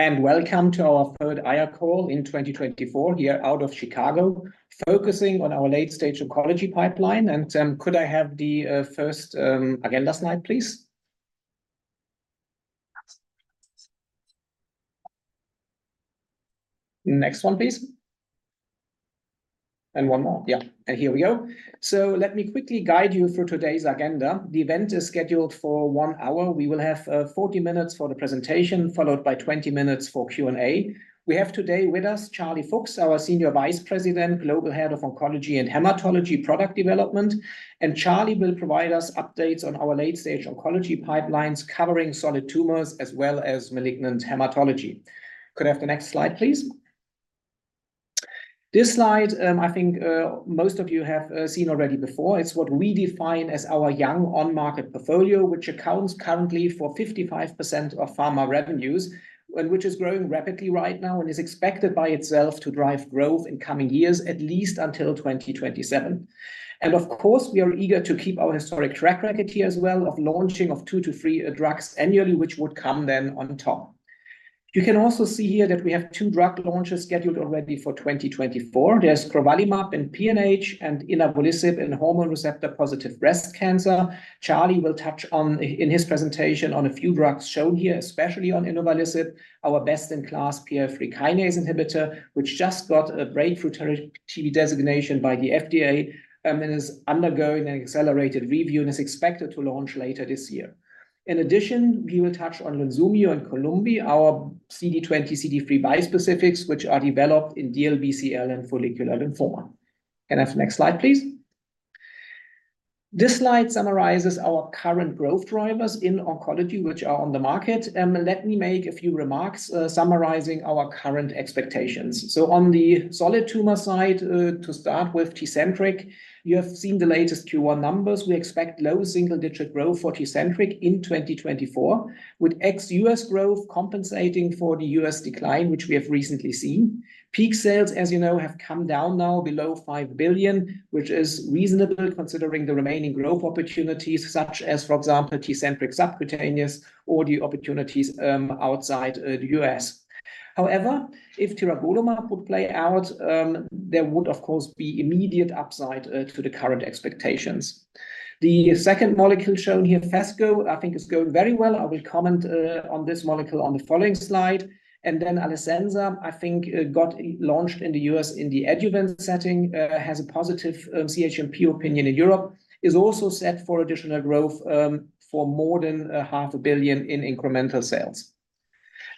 Welcome to our third IR call in 2024 here out of Chicago, focusing on our late-stage oncology pipeline. Could I have the first agenda slide, please? Next one, please. One more. Yeah, here we go. So let me quickly guide you through today's agenda. The event is scheduled for one hour. We will have 40 minutes for the presentation, followed by 20 minutes for Q&A. We have today with us Charles Fuchs, our Senior Vice President, Global Head of Oncology and Hematology Product Development, and Charles will provide us updates on our late-stage oncology pipelines, covering solid tumors as well as malignant hematology. Could I have the next slide, please? This slide, I think, most of you have seen already before. It's what we define as our young on-market portfolio, which accounts currently for 55% of pharma revenues, and which is growing rapidly right now and is expected by itself to drive growth in coming years, at least until 2027. Of course, we are eager to keep our historic track record here as well of launching two-three drugs annually, which would come then on top. You can also see here that we have two drug launches scheduled already for 2024. There's crovalimab in PNH and inavolisib in hormone receptor-positive breast cancer. Charles will touch on in his presentation on a few drugs shown here, especially on inavolisib, our best-in-class PI3K inhibitor, which just got a breakthrough therapy designation by the FDA, and is undergoing an accelerated review and is expected to launch later this year. In addition, we will touch on Lunsumio and Columvi, our CD20/CD3 bispecifics, which are developed in DLBCL and follicular lymphoma. Can I have the next slide, please? This slide summarizes our current growth drivers in oncology, which are on the market, and let me make a few remarks summarizing our current expectations. So on the solid tumor side, to start with Tecentriq, you have seen the latest Q1 numbers. We expect low single-digit growth for Tecentriq in 2024, with ex-U.S. growth compensating for the US decline, which we have recently seen. Peak sales, as you know, have come down now below 5 billion, which is reasonable considering the remaining growth opportunities, such as, for example, Tecentriq subcutaneous or the opportunities outside the U.S.. However, if tiragolumab would play out, there would of course be immediate upside to the current expectations. The second molecule shown here, Phesgo, I think is going very well. I will comment on this molecule on the following slide. Then Alecensa, I think, got launched in the U.S. in the adjuvant setting, has a positive CHMP opinion in Europe, is also set for additional growth, for more than 0.5 billion in incremental sales.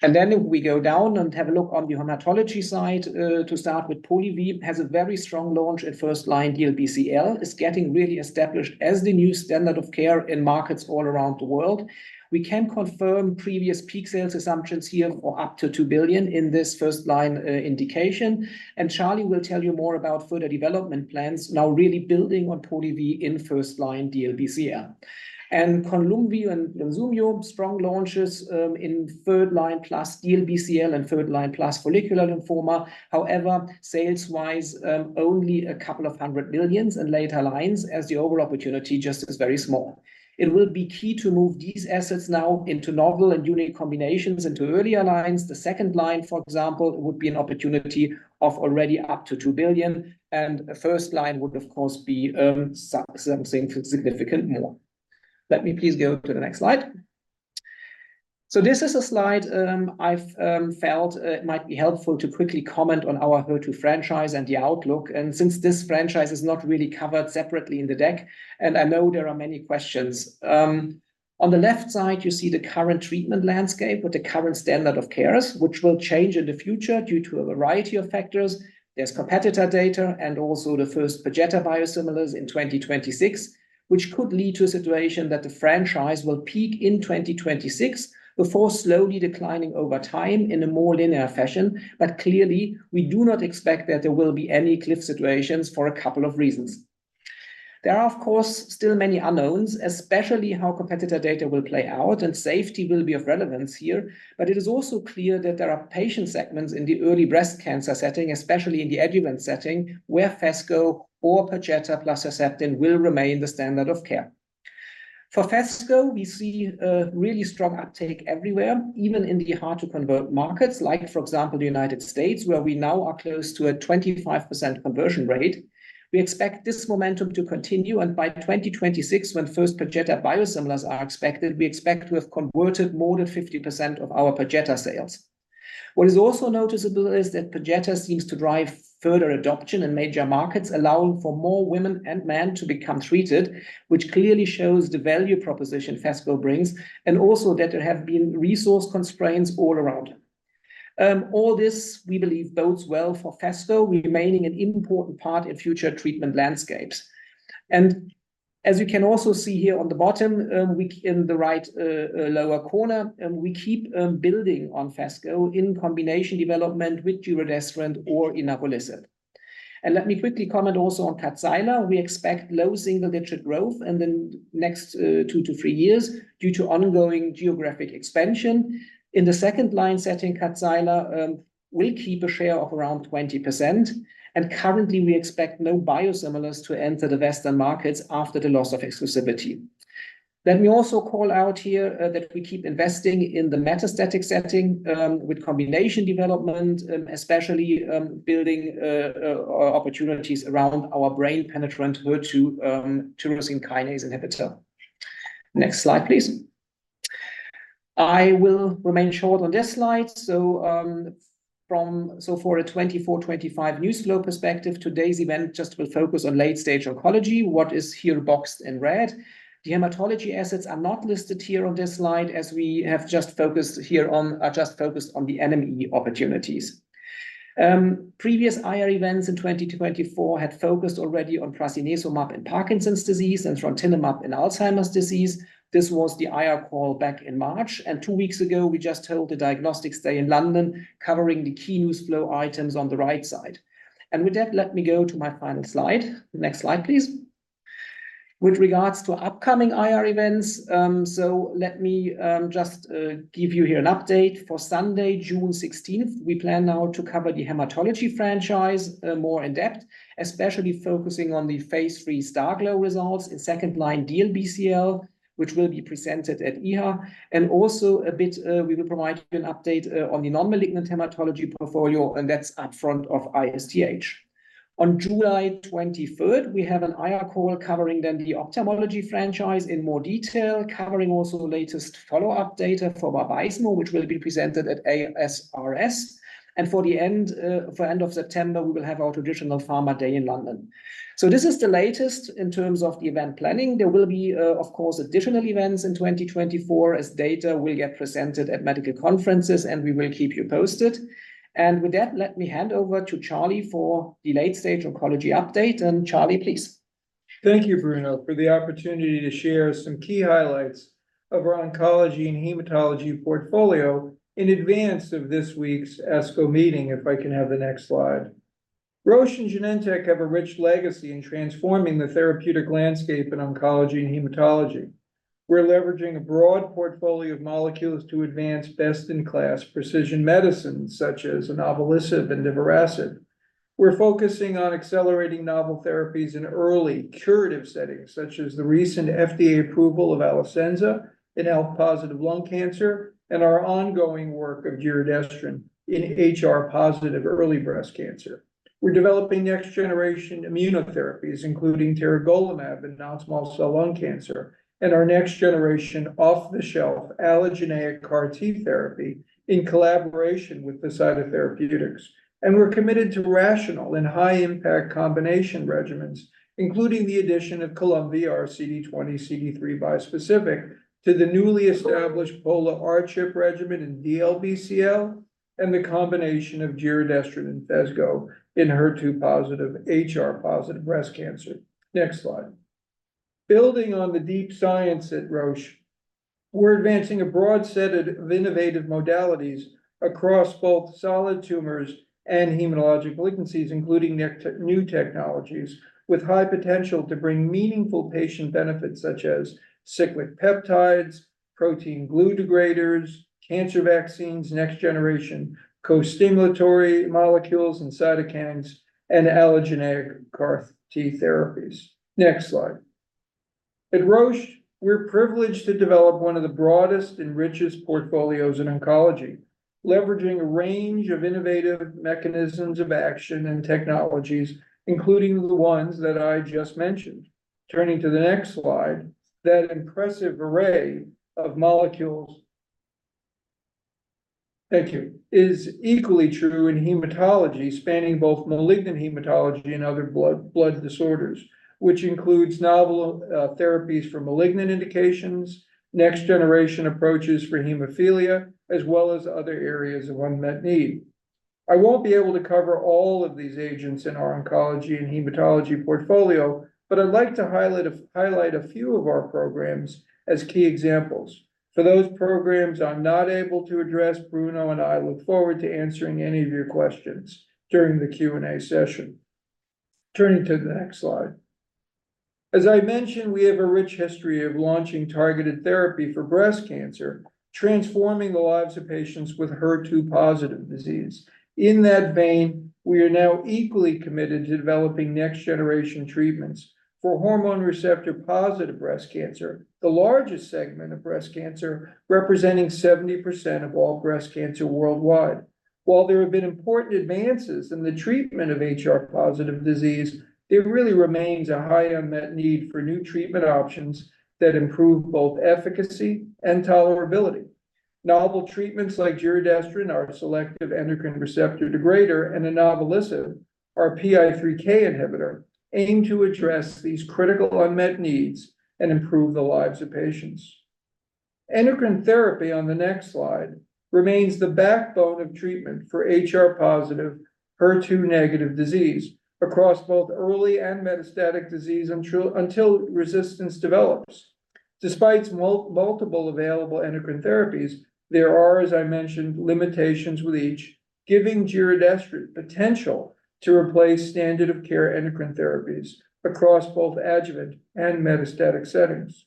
Then if we go down and have a look on the hematology side, to start with, Polivy has a very strong launch at first-line DLBCL. It's getting really established as the new standard of care in markets all around the world. We can confirm previous peak sales assumptions here for up to 2 billion in this first-line indication, and Charles will tell you more about further development plans, now really building on Polivy in first-line DLBCL. Columvi and Lunsumio, strong launches in third line plus DLBCL and third line plus follicular lymphoma. However, sales-wise, only a couple of hundred million CHF in later lines as the overall opportunity just is very small. It will be key to move these assets now into novel and unique combinations into earlier lines. The second line, for example, would be an opportunity of already up to 2 billion, and a first line would of course be something significantly more. Let me please go to the next slide. So this is a slide I've felt might be helpful to quickly comment on our HER2 franchise and the outlook, and since this franchise is not really covered separately in the deck, and I know there are many questions. On the left side, you see the current treatment landscape with the current standard of care, which will change in the future due to a variety of factors. There's competitor data and also the first Perjeta biosimilars in 2026, which could lead to a situation that the franchise will peak in 2026 before slowly declining over time in a more linear fashion. But clearly, we do not expect that there will be any cliff situations for a couple of reasons. There are, of course, still many unknowns, especially how competitor data will play out, and safety will be of relevance here. But it is also clear that there are patient segments in the early breast cancer setting, especially in the adjuvant setting, where Phesgo or Perjeta plus Herceptin will remain the standard of care. For Phesgo, we see a really strong uptake everywhere, even in the hard-to-convert markets like, for example, the United States, where we now are close to a 25% conversion rate. We expect this momentum to continue, and by 2026, when first Perjeta biosimilars are expected, we expect to have converted more than 50% of our Perjeta sales. What is also noticeable is that Perjeta seems to drive further adoption in major markets, allowing for more women and men to become treated, which clearly shows the value proposition Phesgo brings, and also that there have been resource constraints all around. All this, we believe, bodes well for Phesgo remaining an important part in future treatment landscapes. As you can also see here on the bottom, we... in the right, lower corner, we keep building on Phesgo in combination development with giredestrant or inavolisib. And let me quickly comment also on Kadcyla. We expect low single-digit growth in the next, two to three years due to ongoing geographic expansion. In the second-line setting, Kadcyla will keep a share of around 20%, and currently, we expect no biosimilars to enter the Western markets after the loss of exclusivity Then we also call out here that we keep investing in the metastatic setting with combination development, especially building opportunities around our brain-penetrant HER2 tyrosine kinase inhibitor. Next slide, please. I will remain short on this slide. So, for a 2024/2025 news flow perspective, today's event just will focus on late-stage oncology, what is here boxed in red. The hematology assets are not listed here on this slide, as we have just focused on the NME opportunities. Previous IR events in 2024 had focused already on prasinezumab in Parkinson's disease and trontinemab in Alzheimer's disease. This was the IR call back in March, and two weeks ago, we just held a diagnostics day in London, covering the key news flow items on the right side. With that, let me go to my final slide. The next slide, please. With regards to upcoming IR events, so let me just give you here an update. For Sunday, June 16, we plan now to cover the hematology franchise more in depth, especially focusing on the phase III STARGLO results in second-line DLBCL, which will be presented at EHA. Also a bit, we will provide you an update on the non-malignant hematology portfolio, and that's up front of ISTH. On July 23rd, we have an IR call covering then the ophthalmology franchise in more detail, covering also the latest follow-up data for Vabysmo, which will be presented at ASRS. And for the end of September, we will have our traditional Pharma Day in London. So this is the latest in terms of the event planning. There will be, of course, additional events in 2024 as data will get presented at medical conferences, and we will keep you posted. And with that, let me hand over to Charles for the late-stage oncology update, and Charles, please. Thank you, Bruno, for the opportunity to share some key highlights of our oncology and hematology portfolio in advance of this week's ASCO meeting, if I can have the next slide. Roche and Genentech have a rich legacy in transforming the therapeutic landscape in oncology and hematology. We're leveraging a broad portfolio of molecules to advance best-in-class precision medicine, such as inavolisib and divarasib. We're focusing on accelerating novel therapies in early curative settings, such as the recent FDA approval of Alecensa in ALK-positive lung cancer and our ongoing work of giredestrant in HR-positive early breast cancer. We're developing next-generation immunotherapies, including tiragolumab in non-small cell lung cancer, and our next generation off-the-shelf allogeneic CAR T therapy in collaboration with Poseida Therapeutics. We're committed to rational and high-impact combination regimens, including the addition of Columvi, our CD20/CD3 bispecific, to the newly established Pola-R-CHP regimen in DLBCL, and the combination of giredestrant and Phesgo in HER2-positive, HR-positive breast cancer. Next slide. Building on the deep science at Roche, we're advancing a broad set of innovative modalities across both solid tumors and hematologic malignancies, including new technologies with high potential to bring meaningful patient benefits such as cyclic peptides, protein glue degraders, cancer vaccines, next-generation costimulatory molecules and cytokines, and allogeneic CAR T therapies. Next slide. At Roche, we're privileged to develop one of the broadest and richest portfolios in oncology, leveraging a range of innovative mechanisms of action and technologies, including the ones that I just mentioned. Turning to the next slide, that impressive array of molecules. Thank you. is equally true in hematology, spanning both malignant hematology and other blood disorders, which includes novel therapies for malignant indications, next-generation approaches for hemophilia, as well as other areas of unmet need. I won't be able to cover all of these agents in our oncology and hematology portfolio, but I'd like to highlight a few of our programs as key examples. For those programs I'm not able to address, Bruno and I look forward to answering any of your questions during the Q&A session. Turning to the next slide. As I mentioned, we have a rich history of launching targeted therapy for breast cancer, transforming the lives of patients with HER2-positive disease. In that vein, we are now equally committed to developing next-generation treatments for hormone receptor-positive breast cancer, the largest segment of breast cancer, representing 70% of all breast cancer worldwide. While there have been important advances in the treatment of HR-positive disease, it really remains a high unmet need for new treatment options that improve both efficacy and tolerability. Novel treatments like giredestrant, are a selective estrogen receptor degrader, and inavolisib, our PI3K inhibitor, aim to address these critical unmet needs and improve the lives of patients. Endocrine therapy, on the next slide, remains the backbone of treatment for HR-positive, HER2-negative disease across both early and metastatic disease until resistance develops. Despite multiple available endocrine therapies, there are, as I mentioned, limitations with each, giving giredestrant potential to replace standard of care endocrine therapies across both adjuvant and metastatic settings.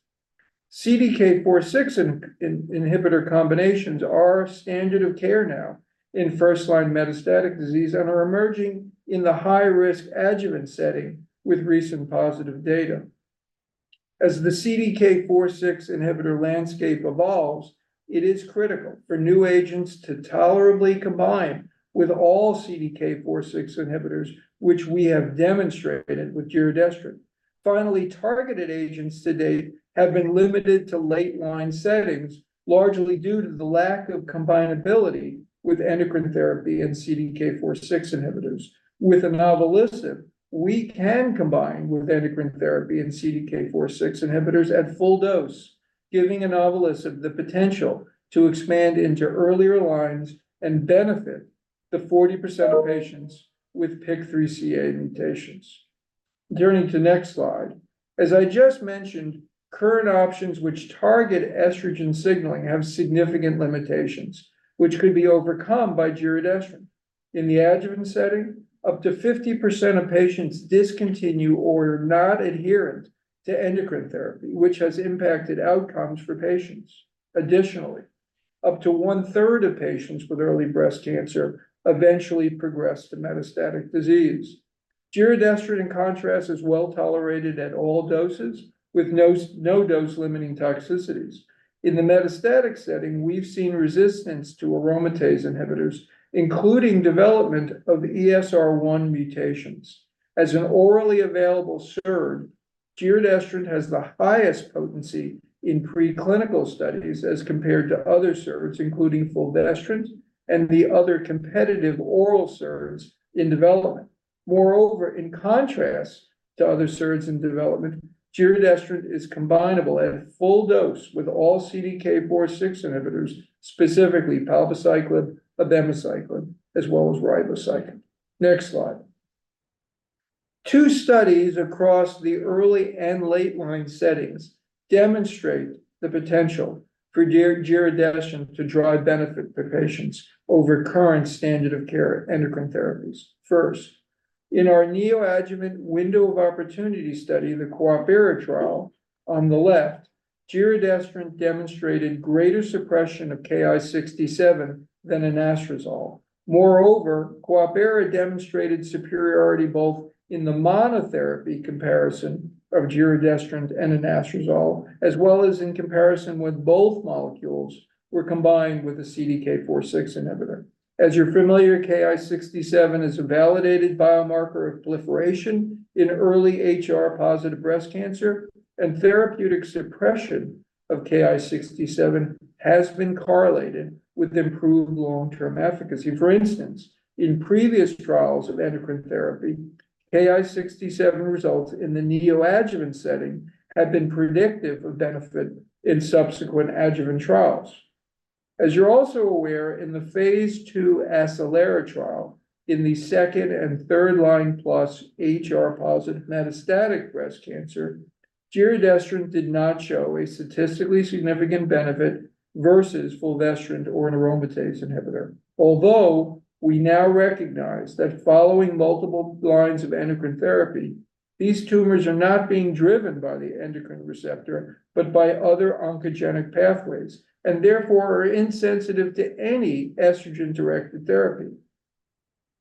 CDK4/6 inhibitor combinations are standard of care now in first-line metastatic disease and are emerging in the high-risk adjuvant setting with recent positive data. As the CDK4/6 inhibitor landscape evolves, it is critical for new agents to tolerably combine with all CDK4/6 inhibitors, which we have demonstrated with giredestrant. Finally, targeted agents to date have been limited to late-line settings, largely due to the lack of combinability with endocrine therapy and CDK4/6 inhibitors. With inavolisib, we can combine with endocrine therapy and CDK4/6 inhibitors at full dose, giving inavolisib the potential to expand into earlier lines and benefit the 40% of patients with PIK3CA mutations. Turning to next slide. As I just mentioned, current options which target estrogen signaling have significant limitations, which could be overcome by giredestrant. In the adjuvant setting, up to 50% of patients discontinue or are not adherent to endocrine therapy, which has impacted outcomes for patients. Additionally, up to one-third of patients with early breast cancer eventually progress to metastatic disease. giredestrant, in contrast, is well-tolerated at all doses, with no dose-limiting toxicities. In the metastatic setting, we've seen resistance to aromatase inhibitors, including development of ESR1 mutations. As an orally available SERD, giredestrant has the highest potency in preclinical studies as compared to other SERDs, including fulvestrant and the other competitive oral SERDs in development. Moreover, in contrast to other SERDs in development, giredestrant is combinable at full dose with all CDK4/6 inhibitors, specifically palbociclib, abemaciclib, as well as ribociclib. Next slide. Two studies across the early and late-line settings demonstrate the potential for giredestrant to drive benefit to patients over current standard of care endocrine therapies. First, in our neoadjuvant window of opportunity study, the coopERA trial, on the left, giredestrant demonstrated greater suppression of Ki-67 than anastrozole. Moreover, coopERA demonstrated superiority both in the monotherapy comparison of giredestrant and anastrozole, as well as in comparison with both molecules were combined with a CDK4/6 inhibitor. As you're familiar, Ki-67 is a validated biomarker of proliferation in early HR-positive breast cancer, and therapeutic suppression of Ki-67 has been correlated with improved long-term efficacy. For instance, in previous trials of endocrine therapy, Ki-67 results in the neoadjuvant setting have been predictive of benefit in subsequent adjuvant trials. As you're also aware, in the phase II acelERA trial, in the second and third-line plus HR-positive metastatic breast cancer, giredestrant did not show a statistically significant benefit versus fulvestrant or an aromatase inhibitor. Although we now recognize that following multiple lines of endocrine therapy, these tumors are not being driven by the endocrine receptor, but by other oncogenic pathways, and therefore are insensitive to any estrogen-directed therapy.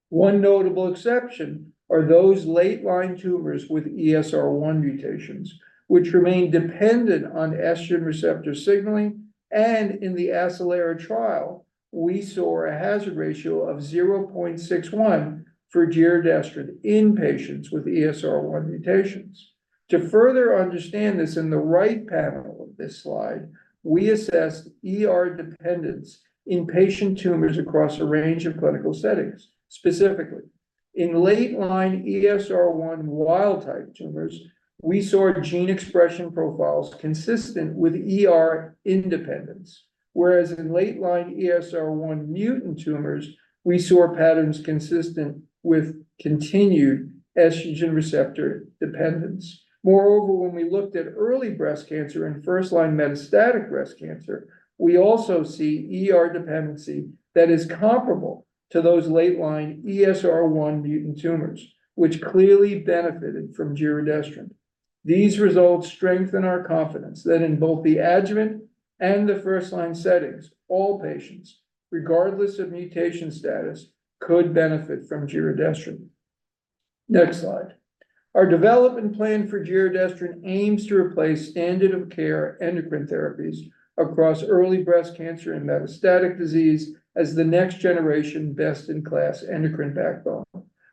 One notable exception are those late-line tumors with ESR1 mutations, which remain dependent on estrogen receptor signaling, and in the acelERA trial, we saw a hazard ratio of 0.61 for giredestrant in patients with ESR1 mutations. To further understand this, in the right panel of this slide, we assessed ER dependence in patient tumors across a range of clinical settings. Specifically, in late-line ESR1 wild-type tumors, we saw gene expression profiles consistent with ER independence. Whereas in late-line ESR1 mutant tumors, we saw patterns consistent with continued estrogen receptor dependence. Moreover, when we looked at early breast cancer and first-line metastatic breast cancer, we also see ER dependency that is comparable to those late-line ESR1 mutant tumors, which clearly benefited from giredestrant. These results strengthen our confidence that in both the adjuvant and the first-line settings, all patients, regardless of mutation status, could benefit from giredestrant. Next slide. Our development plan for giredestrant aims to replace standard of care endocrine therapies across early breast cancer and metastatic disease as the next-generation, best-in-class endocrine backbone.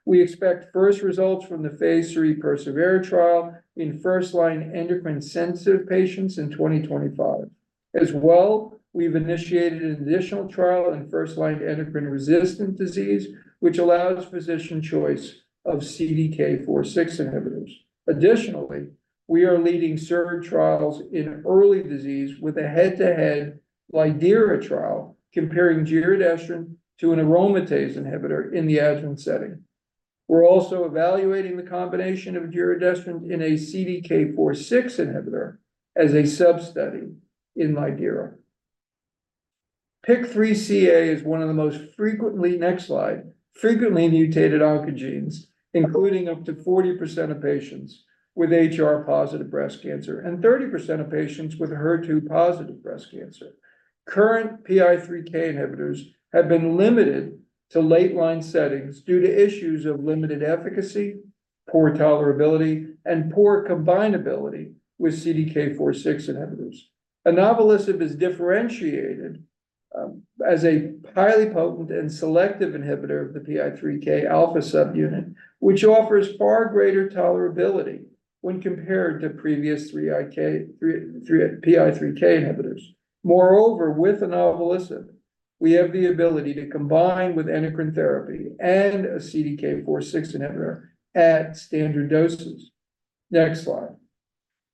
We expect first results from the phase III persevERA trial in first-line endocrine-sensitive patients in 2025. As well, we've initiated an additional trial in first-line endocrine-resistant disease, which allows physician choice of CDK4/6 inhibitors. Additionally, we are leading SERD trials in early disease with a head-to-head lidERA trial comparing giredestrant to an aromatase inhibitor in the adjuvant setting. We're also evaluating the combination of giredestrant in a CDK4/6 inhibitor as a sub-study in lidERA. PIK3CA is one of the most frequently mutated oncogenes, including up to 40% of patients with HR-positive breast cancer and 30% of patients with HER2-positive breast cancer. Current PI3K inhibitors have been limited to late-line settings due to issues of limited efficacy, poor tolerability, and poor combinability with CDK4/6 inhibitors. inavolisib is differentiated, as a highly potent and selective inhibitor of the PI3K alpha subunit, which offers far greater tolerability when compared to previous PI3K inhibitors. Moreover, with inavolisib, we have the ability to combine with endocrine therapy and a CDK4/6 inhibitor at standard doses. Next slide.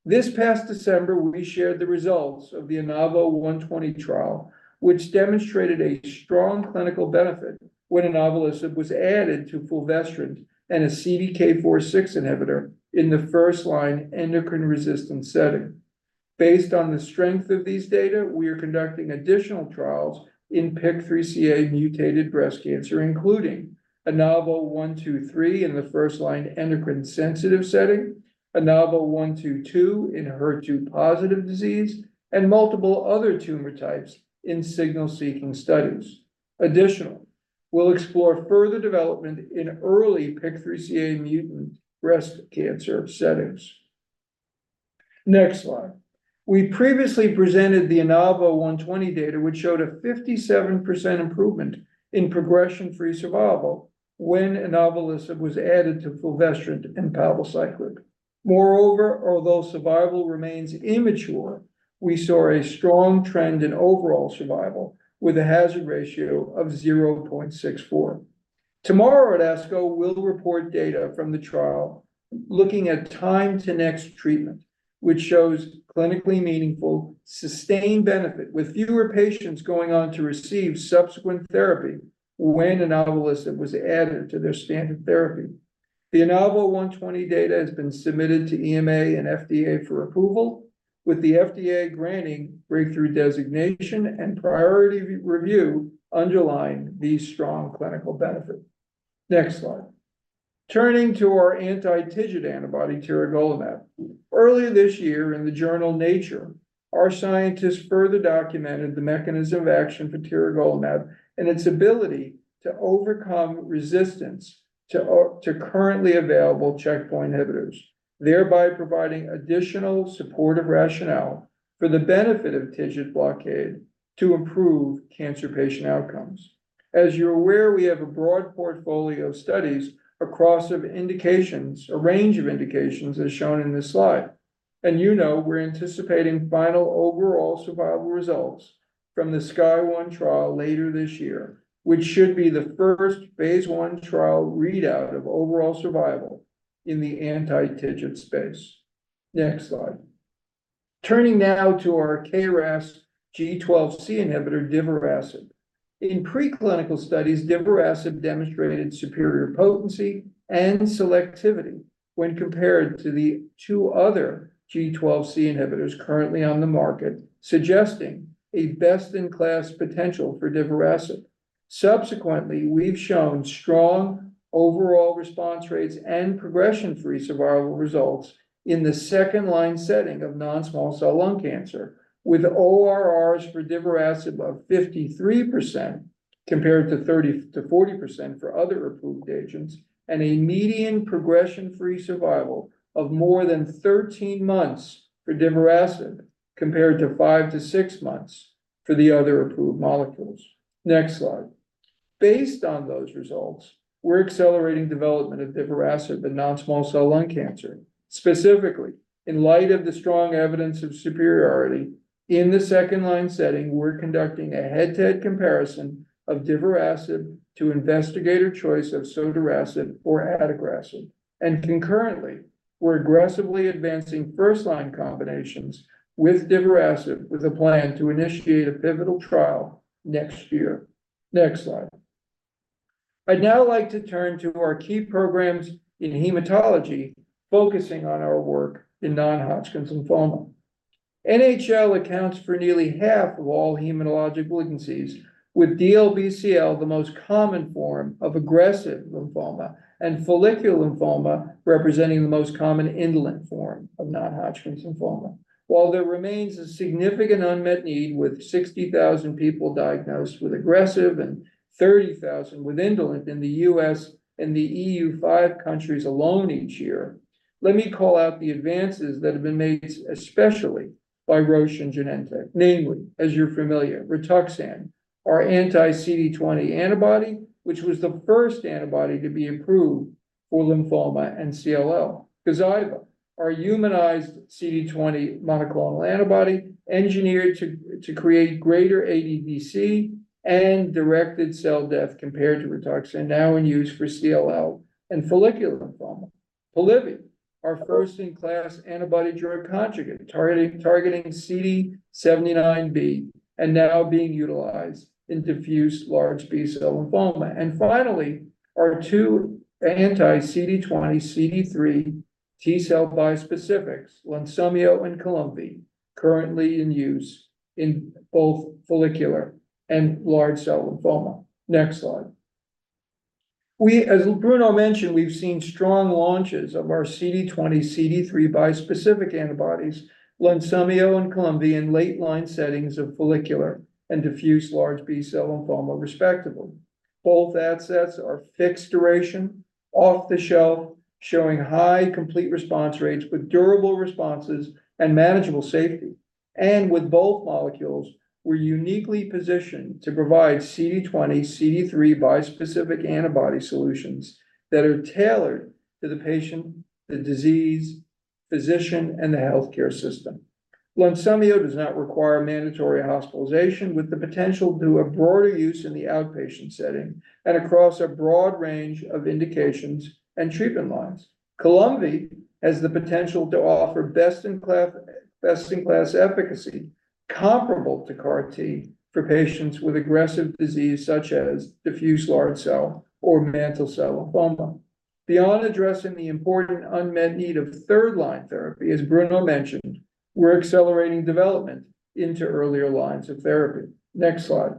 This past December, we shared the results of the INAVO120 trial, which demonstrated a strong clinical benefit when inavolisib was added to fulvestrant and a CDK4/6 inhibitor in the first-line endocrine-resistant setting. Based on the strength of these data, we are conducting additional trials in PIK3CA-mutated breast cancer, including INAVO123 in the first-line endocrine-sensitive setting, INAVO122 in HER2-positive disease, and multiple other tumor types in signal-seeking studies. Additionally, we'll explore further development in early PIK3CA mutant breast cancer settings. Next slide. We previously presented the INAVO120 data, which showed a 57% improvement in progression-free survival when inavolisib was added to fulvestrant and palbociclib. Moreover, although survival remains immature, we saw a strong trend in overall survival with a hazard ratio of 0.64. Tomorrow at ASCO, we'll report data from the trial looking at time to next treatment, which shows clinically meaningful, sustained benefit, with fewer patients going on to receive subsequent therapy when inavolisib was added to their standard therapy. The INAVO120 data has been submitted to EMA and FDA for approval, with the FDA granting breakthrough designation and priority re-review underlying the strong clinical benefit. Next slide. Turning to our anti-TIGIT antibody, tiragolumab. Earlier this year in the journal Nature, our scientists further documented the mechanism of action for tiragolumab and its ability to overcome resistance to to currently available checkpoint inhibitors, thereby providing additional supportive rationale for the benefit of TIGIT blockade to improve cancer patient outcomes. As you're aware, we have a broad portfolio of studies across of indications, a range of indications, as shown in this slide. And you know, we're anticipating final overall survival results from the SKYSCRAPER-01 trial later this year, which should be the first phase I trial readout of overall survival in the anti-TIGIT space. Next slide. Turning now to our KRAS G12C inhibitor, divarasib. In preclinical studies, divarasib demonstrated superior potency and selectivity when compared to the two other G12C inhibitors currently on the market, suggesting a best-in-class potential for divarasib. Subsequently, we've shown strong overall response rates and progression-free survival results in the second-line setting of non-small cell lung cancer, with ORRs for divarasib of 53%, compared to 30%-40% for other approved agents, and a median progression-free survival of more than 13 months for Divorasib, compared to 5-6 months for the other approved molecules. Next slide. Based on those results, we're accelerating development of divarasib in non-small cell lung cancer. Specifically, in light of the strong evidence of superiority in the second-line setting, we're conducting a head-to-head comparison of divarasib to investigator choice of sotorasib or adagrasib. And concurrently, we're aggressively advancing first-line combinations with divarasib, with a plan to initiate a pivotal trial next year. Next slide. I'd now like to turn to our key programs in hematology, focusing on our work in non-Hodgkin lymphoma. NHL accounts for nearly half of all hematologic malignancies, with DLBCL the most common form of aggressive lymphoma, and follicular lymphoma representing the most common indolent form of non-Hodgkin lymphoma. While there remains a significant unmet need, with 60,000 people diagnosed with aggressive and 30,000 with indolent in the US and the EU5 countries alone each year, let me call out the advances that have been made, especially by Roche and Genentech. Namely, as you're familiar, Rituxan, our anti-CD20 antibody, which was the first antibody to be approved for lymphoma and CLL. Gazyva, our humanized CD20 monoclonal antibody, engineered to create greater ADCC and directed cell death compared to Rituxan, now in use for CLL and follicular lymphoma. Polivy, our first-in-class antibody-drug conjugate, targeting CD79B and now being utilized in diffuse large B-cell lymphoma. And finally, our two anti-CD20/CD3 T-cell bispecifics, Lunsumio and Columvi. Currently in use in both follicular and large cell lymphoma. Next slide. We, as Bruno mentioned, we've seen strong launches of our CD20/CD3 bispecific antibodies, Lunsumio and Columvi, in late-line settings of follicular and diffuse large B-cell lymphoma, respectively. Both assets are fixed duration, off the shelf, showing high complete response rates with durable responses and manageable safety. And with both molecules, we're uniquely positioned to provide CD20/CD3 bispecific antibody solutions that are tailored to the patient, the disease, physician, and the healthcare system. Lunsumio does not require mandatory hospitalization, with the potential to a broader use in the outpatient setting and across a broad range of indications and treatment lines. Columvi has the potential to offer best-in-class, best-in-class efficacy comparable to CAR T for patients with aggressive disease such as diffuse large cell or mantle cell lymphoma. Beyond addressing the important unmet need of third-line therapy, as Bruno mentioned, we're accelerating development into earlier lines of therapy. Next slide.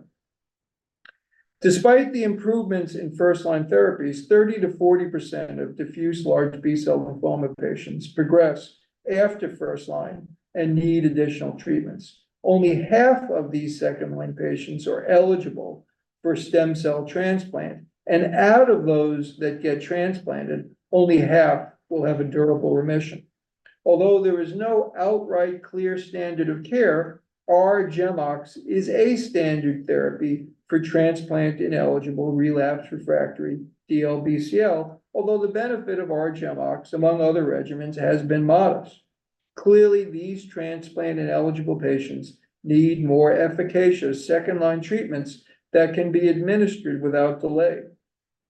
Despite the improvements in first-line therapies, 30%-40% of diffuse large B-cell lymphoma patients progress after first line and need additional treatments. Only half of these second-line patients are eligible for stem cell transplant, and out of those that get transplanted, only half will have a durable remission. Although there is no outright clear standard of care, R-GEMOX is a standard therapy for transplant-ineligible, relapsed, refractory DLBCL, although the benefit of R-GEMOX, among other regimens, has been modest. Clearly, these transplant-ineligible patients need more efficacious second-line treatments that can be administered without delay.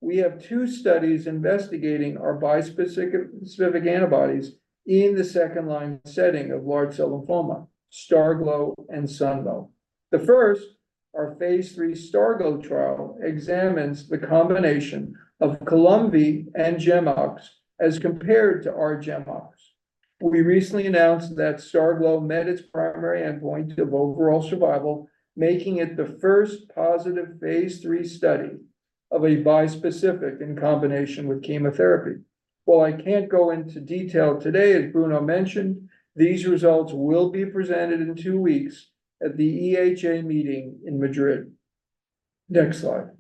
We have two studies investigating our bispecific antibodies in the second-line setting of large cell lymphoma, STARGLO and SUNMO. The first, our phase III STARGLO trial, examines the combination of Columvi and GEMOX as compared to R-GEMOX. We recently announced that STARGLO met its primary endpoint of overall survival, making it the first positive phase III study of a bispecific in combination with chemotherapy. While I can't go into detail today, as Bruno mentioned, these results will be presented in two weeks at the EHA meeting in Madrid. Next slide.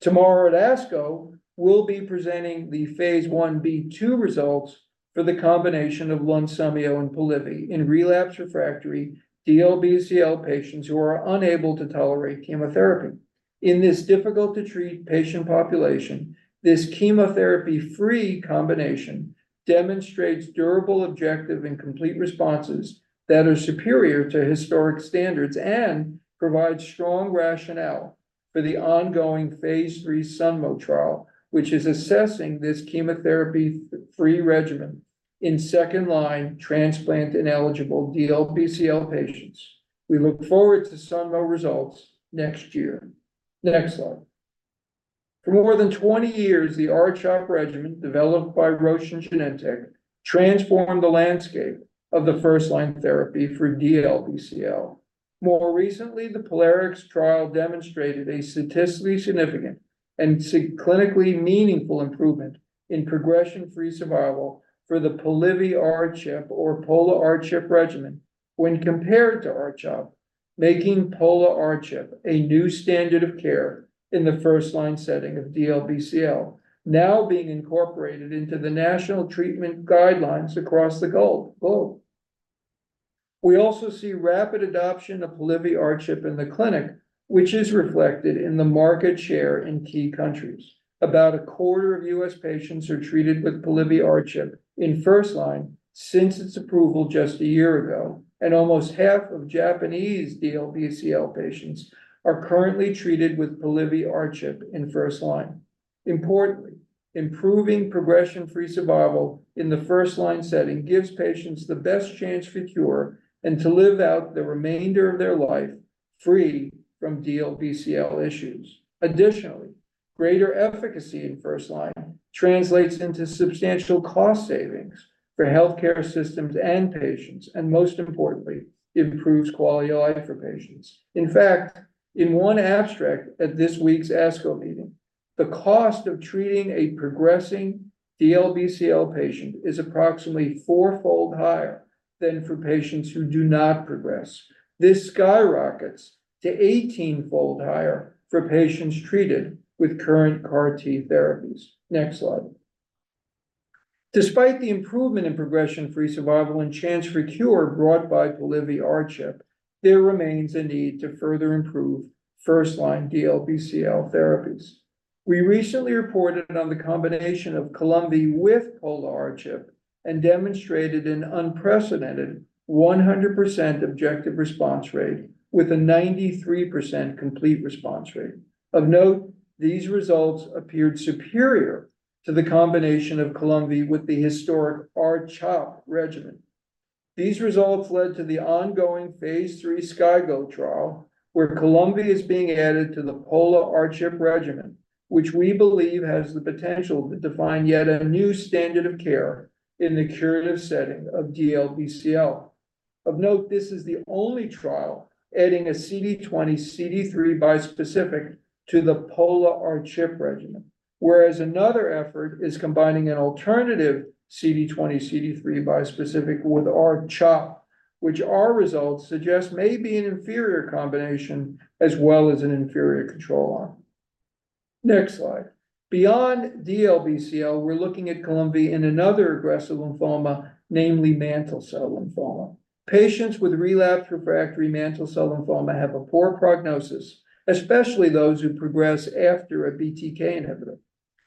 Tomorrow at ASCO, we'll be presenting the phase Ib/II results for the combination of Lunsumio and Polivy in relapse refractory DLBCL patients who are unable to tolerate chemotherapy. In this difficult-to-treat patient population, this chemotherapy-free combination demonstrates durable, objective, and complete responses that are superior to historic standards and provides strong rationale for the ongoing phase III SUNMO trial, which is assessing this chemotherapy-free regimen in second-line transplant-ineligible DLBCL patients. We look forward to SUNMO results next year. Next slide. For more than 20 years, the R-CHOP regimen, developed by Roche and Genentech, transformed the landscape of the first-line therapy for DLBCL. More recently, the Polarix trial demonstrated a statistically significant and clinically meaningful improvement in progression-free survival for the Polivy R-CHOP or Polivy R-CHOP regimen when compared to R-CHOP, making Polivy R-CHOP a new standard of care in the first-line setting of DLBCL, now being incorporated into the national treatment guidelines across the globe. We also see rapid adoption of Polivy R-CHOP in the clinic, which is reflected in the market share in key countries. About a quarter of US patients are treated with Polivy R-CHOP in first line since its approval just a year ago, and almost half of Japanese DLBCL patients are currently treated with Polivy R-CHOP in first line. Importantly, improving progression-free survival in the first-line setting gives patients the best chance for cure and to live out the remainder of their life free from DLBCL issues. Additionally, greater efficacy in first line translates into substantial cost savings for healthcare systems and patients, and most importantly, improves quality of life for patients. In fact, in one abstract at this week's ASCO meeting, the cost of treating a progressing DLBCL patient is approximately four-fold higher than for patients who do not progress. This skyrockets to eighteen-fold higher for patients treated with current CAR T therapies. Next slide. Despite the improvement in progression-free survival and chance for cure brought by Polivy R-CHOP, there remains a need to further improve first-line DLBCL therapies. We recently reported on the combination of Columvi with Pola-R-CHOP and demonstrated an unprecedented 100% objective response rate with a 93% complete response rate. Of note, these results appeared superior to the combination of Columvi with the historic R-CHOP regimen. These results led to the ongoing phase III SKYGLO trial, where Columvi is being added to the Pola-R-CHOP regimen, which we believe has the potential to define yet a new standard of care in the curative setting of DLBCL. Of note, this is the only trial adding a CD20/CD3 bispecific to the Pola or CHOP regimen, whereas another effort is combining an alternative CD20/CD3 bispecific with R-CHOP, which our results suggest may be an inferior combination as well as an inferior control arm. Next slide. Beyond DLBCL, we're looking at Columvi in another aggressive lymphoma, namely mantle cell lymphoma. Patients with relapsed refractory mantle cell lymphoma have a poor prognosis, especially those who progress after a BTK inhibitor.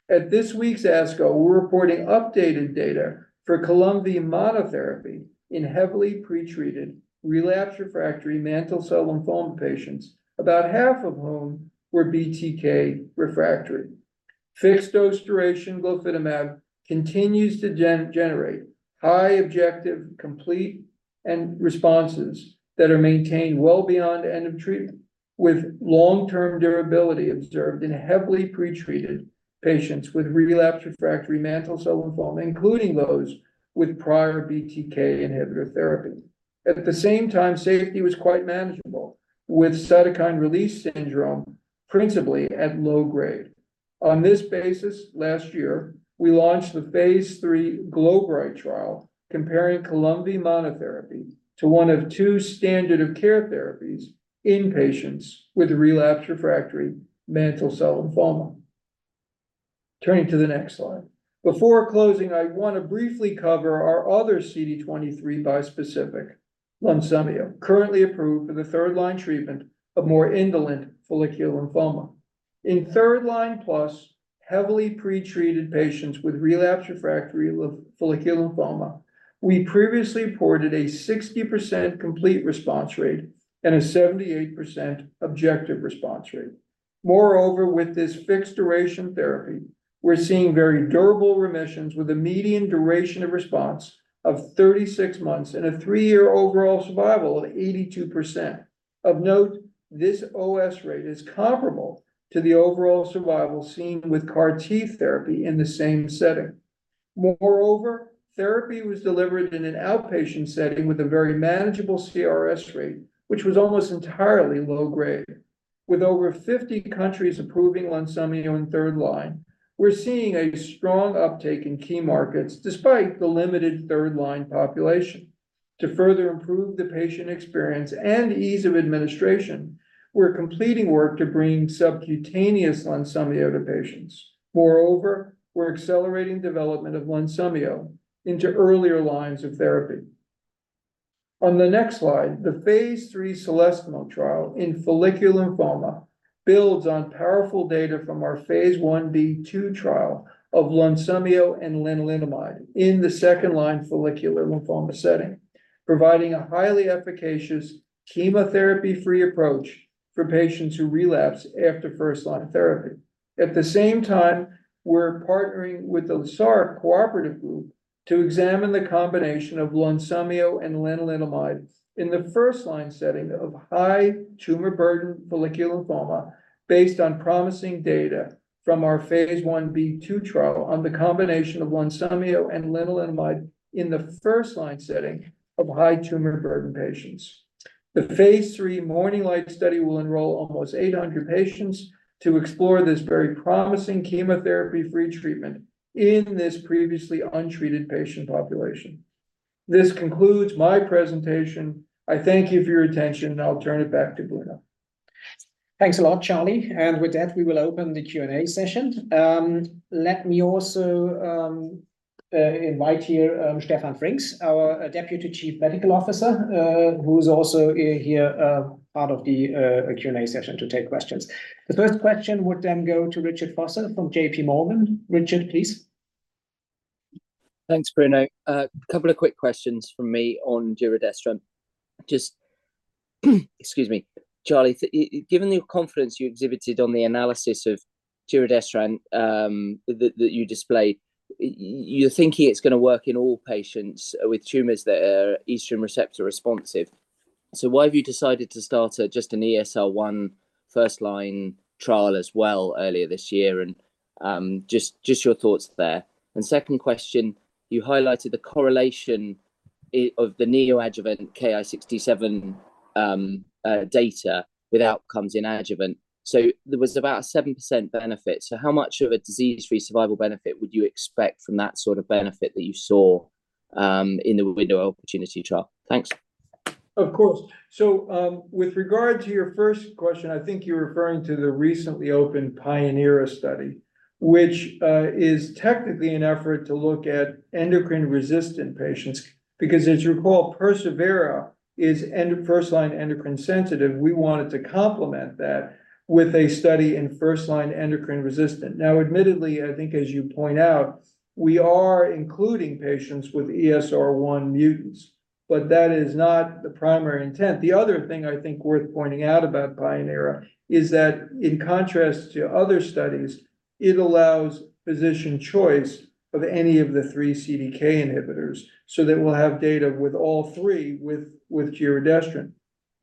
At this week's ASCO, we're reporting updated data for Columvi monotherapy in heavily pre-treated, relapsed refractory mantle cell lymphoma patients, about half of whom were BTK refractory. Fixed-dose duration glofitamab continues to generate high objective, complete, and responses that are maintained well beyond end of treatment, with long-term durability observed in heavily pre-treated patients with relapsed refractory mantle cell lymphoma, including those with prior BTK inhibitor therapy. At the same time, safety was quite manageable, with cytokine release syndrome principally at low grade. On this basis, last year, we launched the phase III GLO-BRIT trial, comparing Columvi monotherapy to one of two standard of care therapies in patients with a relapsed refractory mantle cell lymphoma. Turning to the next slide. Before closing, I want to briefly cover our other CD20 bispecific, Lunsumio, currently approved for the third-line treatment of more indolent follicular lymphoma. In third-line+ heavily pretreated patients with relapsed/refractory follicular lymphoma, we previously reported a 60% complete response rate and a 78% objective response rate. Moreover, with this fixed-duration therapy, we're seeing very durable remissions, with a median duration of response of 36 months and a three-year overall survival of 82%. Of note, this OS rate is comparable to the overall survival seen with CAR T therapy in the same setting. Moreover, therapy was delivered in an outpatient setting with a very manageable CRS rate, which was almost entirely low grade. With over 50 countries approving Lunsumio in third line, we're seeing a strong uptake in key markets, despite the limited third-line population. To further improve the patient experience and ease of administration, we're completing work to bring subcutaneous Lunsumio to patients. Moreover, we're accelerating development of Lunsumio into earlier lines of therapy. On the next slide, the phase III CELESTIAL trial in follicular lymphoma builds on powerful data from our phase Ib/II trial of Lunsumio and lenalidomide in the second-line follicular lymphoma setting, providing a highly efficacious chemotherapy-free approach for patients who relapse after first-line therapy. At the same time, we're partnering with the SAKK to examine the combination of Lunsumio and lenalidomide in the first-line setting of high tumor burden follicular lymphoma, based on promising data from our phase Ib/II trial on the combination of Lunsumio and lenalidomide in the first-line setting of high tumor burden patients. The phase III MORNING SUN study will enroll almost 800 patients to explore this very promising chemotherapy-free treatment in this previously untreated patient population. This concludes my presentation. I thank you for your attention, and I'll turn it back to Bruno. Thanks a lot, Charles, and with that, we will open the Q&A session. Let me also invite here Stefan Frings, our Deputy Chief Medical Officer, who's also here, part of the Q&A session, to take questions. The first question would then go to Richard Vosser from J.P. Morgan. Richard, please. Thanks, Bruno. A couple of quick questions from me on giredestrant. Just, excuse me, Charles, given the confidence you exhibited on the analysis of giredestrant, that you displayed, you're thinking it's gonna work in all patients with tumors that are estrogen receptor responsive. So why have you decided to start at just an ESR1 first-line trial as well earlier this year, and just your thoughts there? And second question, you highlighted the correlation of the neoadjuvant Ki-67 data with outcomes in adjuvant. So there was about a 70% benefit, so how much of a disease-free survival benefit would you expect from that sort of benefit that you saw in the Window of Opportunity trial? Thanks. Of course. So, with regard to your first question, I think you're referring to the recently opened pioneERA study, which is technically an effort to look at endocrine-resistant patients, because, as you recall, persevERA is in first-line endocrine-sensitive. We wanted to complement that with a study in first-line endocrine-resistant. Now, admittedly, I think as you point out, we are including patients with ESR1 mutants, but that is not the primary intent. The other thing I think worth pointing out about pioneERA is that in contrast to other studies, it allows physician choice of any of the three CDK inhibitors, so that we'll have data with all three with giredestrant.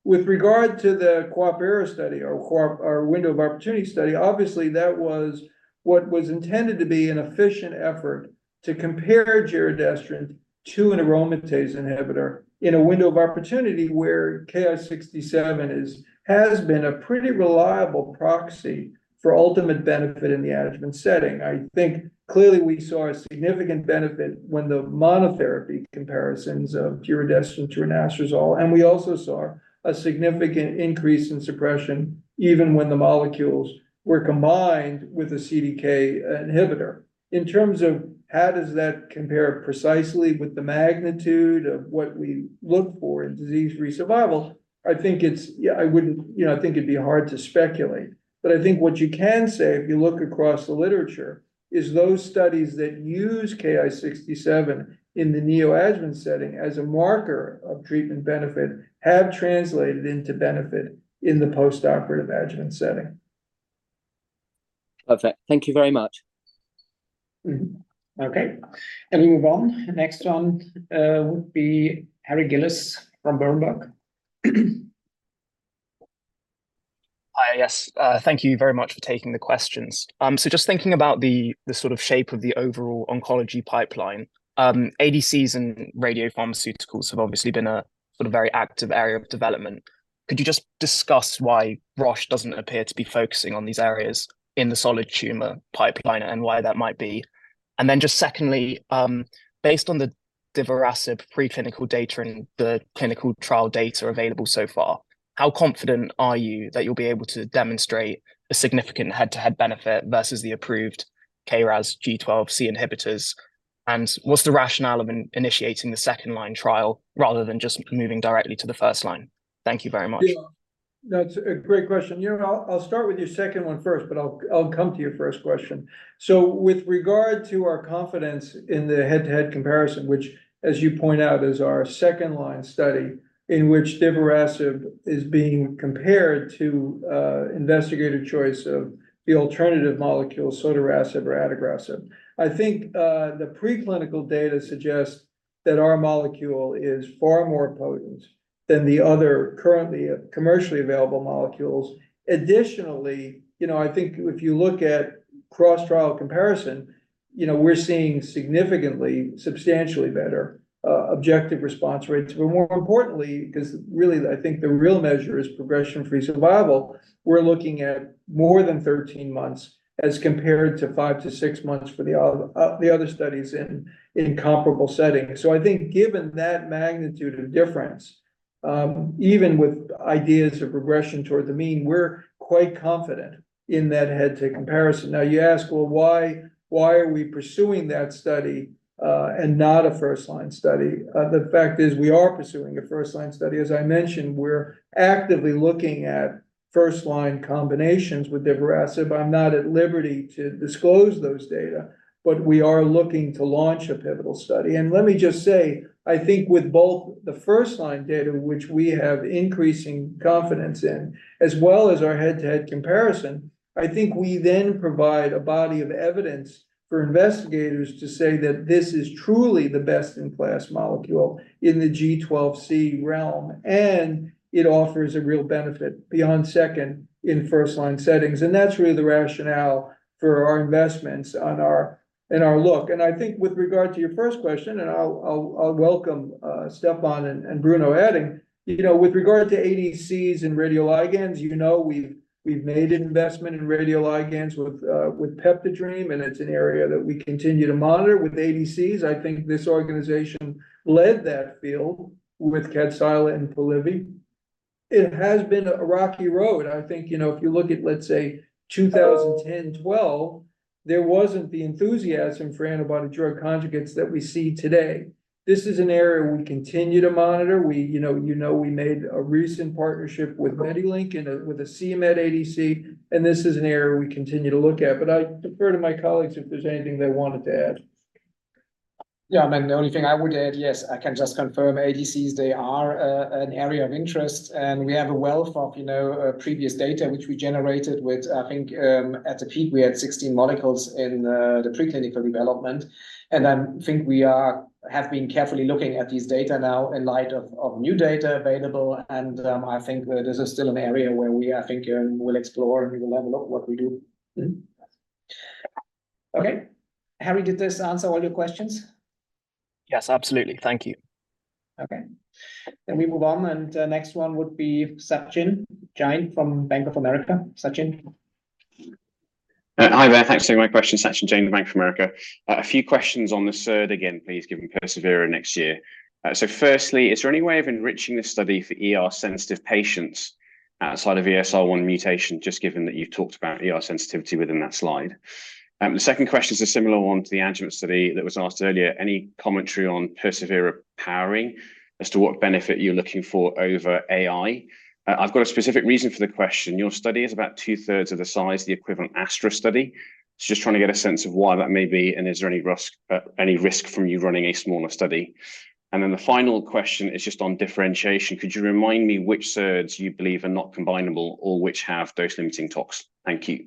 With regard to the coopERA study or Coop or Window of Opportunity study, obviously that was what was intended to be an efficient effort to compare giredestrant to an aromatase inhibitor in a window of opportunity where Ki-67 is, has been a pretty reliable proxy for ultimate benefit in the adjuvant setting. I think clearly we saw a significant benefit when the monotherapy comparisons of giredestrant to anastrozole, and we also saw a significant increase in suppression even when the molecules were combined with a CDK inhibitor. In terms of how does that compare precisely with the magnitude of what we look for in disease-free survival, I think it's. Yeah, I wouldn't, you know, I think it'd be hard to speculate. But I think what you can say, if you look across the literature, is those studies that use Ki-67 in the neoadjuvant setting as a marker of treatment benefit, have translated into benefit in the postoperative adjuvant setting. Perfect. Thank you very much. Mm-hmm. Okay, and we move on. Next one would be Harry Gillis from Berenberg. Hi, yes. Thank you very much for taking the questions. So just thinking about the sort of shape of the overall oncology pipeline, ADCs and radiopharmaceuticals have obviously been a sort of very active area of development. Could you just discuss why Roche doesn't appear to be focusing on these areas in the solid tumor pipeline, and why that might be? And then just secondly, based on the divarasib preclinical data and the clinical trial data available so far, how confident are you that you'll be able to demonstrate a significant head-to-head benefit versus the approved KRAS G12C inhibitors? And what's the rationale of in initiating the second line trial, rather than just moving directly to the first line? Thank you very much. Yeah. That's a great question. You know, I'll, I'll start with your second one first, but I'll, I'll come to your first question. So with regard to our confidence in the head-to-head comparison, which, as you point out, is our second-line study, in which divarasib is being compared to investigator's choice of the alternative molecule, sotorasib or adagrasib. I think the preclinical data suggests that our molecule is far more potent than the other currently commercially available molecules. Additionally, you know, I think if you look at cross-trial comparison, you know, we're seeing significantly, substantially better objective response rates. But more importantly, 'cause really, I think the real measure is progression-free survival, we're looking at more than 13 months as compared to 5-6 months for the other the other studies in, in comparable settings. So I think given that magnitude of difference, even with ideas of progression toward the mean, we're quite confident in that head-to-head comparison. Now, you ask, "Well, why, why are we pursuing that study, and not a first-line study?" The fact is, we are pursuing a first-line study. As I mentioned, we're actively looking at first-line combinations with divarasib. I'm not at liberty to disclose those data, but we are looking to launch a pivotal study. And let me just say, I think with both the first-line data, which we have increasing confidence in, as well as our head-to-head comparison, I think we then provide a body of evidence for investigators to say that this is truly the best-in-class molecule in the G12C realm, and it offers a real benefit beyond second in first-line settings. And that's really the rationale for our investments on our... in our look. And I think with regard to your first question, and I'll welcome Stefan and Bruno adding, you know, with regard to ADCs and radioligands, you know, we've made investment in radioligands with PeptiDream, and it's an area that we continue to monitor. With ADCs, I think this organization led that field with Kadcyla and Polivy. It has been a rocky road. I think, you know, if you look at, let's say, 2010, 2012, there wasn't the enthusiasm for antibody drug conjugates that we see today. This is an area we continue to monitor. We, you know, we made a recent partnership with MediLink and with the c-MET ADC, and this is an area we continue to look at. But I defer to my colleagues if there's anything they wanted to add. Yeah, I mean, the only thing I would add, yes, I can just confirm ADCs, they are an area of interest, and we have a wealth of, you know, previous data, which we generated with, I think, at the peak, we had 16 molecules in the preclinical development. And I think we have been carefully looking at these data now in light of new data available, and I think this is still an area where we are thinking and we'll explore, and we will have a look what we do. Mm-hmm. Okay. Harry, did this answer all your questions? Yes, absolutely. Thank you. Okay. Then we move on, and, next one would be Sachin Jain from Bank of America. Sachin? Hi there. Thanks for taking my question. Sachin Jain, Bank of America. A few questions on the SERD again, please, given persevERA next year. So firstly, is there any way of enriching this study for ER-sensitive patients outside of ESR1 mutation, just given that you've talked about ER sensitivity within that slide? The second question is a similar one to the adjuvant study that was asked earlier. Any commentary on persevERA powering as to what benefit you're looking for over AI? I've got a specific reason for the question: Your study is about two-thirds of the size of the equivalent ASTRA study. So just trying to get a sense of why that may be, and is there any risk from you running a smaller study? And then the final question is just on differentiation. Could you remind me which SERDs you believe are not combinable or which have dose-limiting tox? Thank you.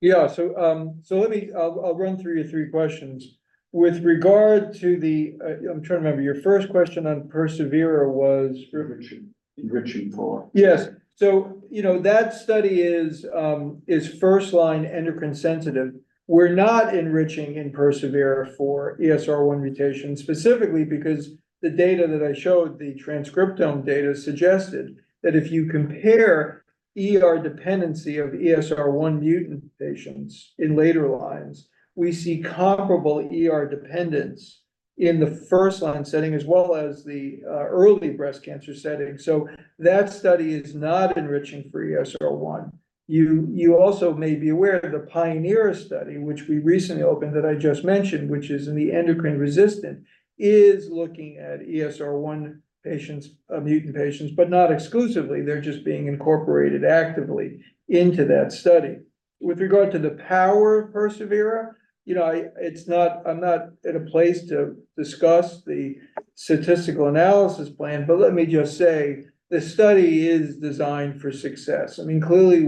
Yeah. So, let me, I'll run through your three questions. With regard to the, I'm trying to remember, your first question on persevERA was Enriching for. Yes. So, you know, that study is first line endocrine sensitive. We're not enriching in persevERA for ESR1 mutation, specifically because the data that I showed, the transcriptome data, suggested that if you compare ER dependency of ESR1 mutant patients in later lines, we see comparable ER dependence in the first line setting, as well as the early breast cancer setting. So that study is not enriching for ESR1. You, you also may be aware that the pioneERA study, which we recently opened, that I just mentioned, which is in the endocrine resistant, is looking at ESR1 patients, mutant patients, but not exclusively. They're just being incorporated actively into that study. With regard to the power of persevERA, you know, I- it's not-- I'm not in a place to discuss the statistical analysis plan, but let me just say, this study is designed for success. I mean, clearly,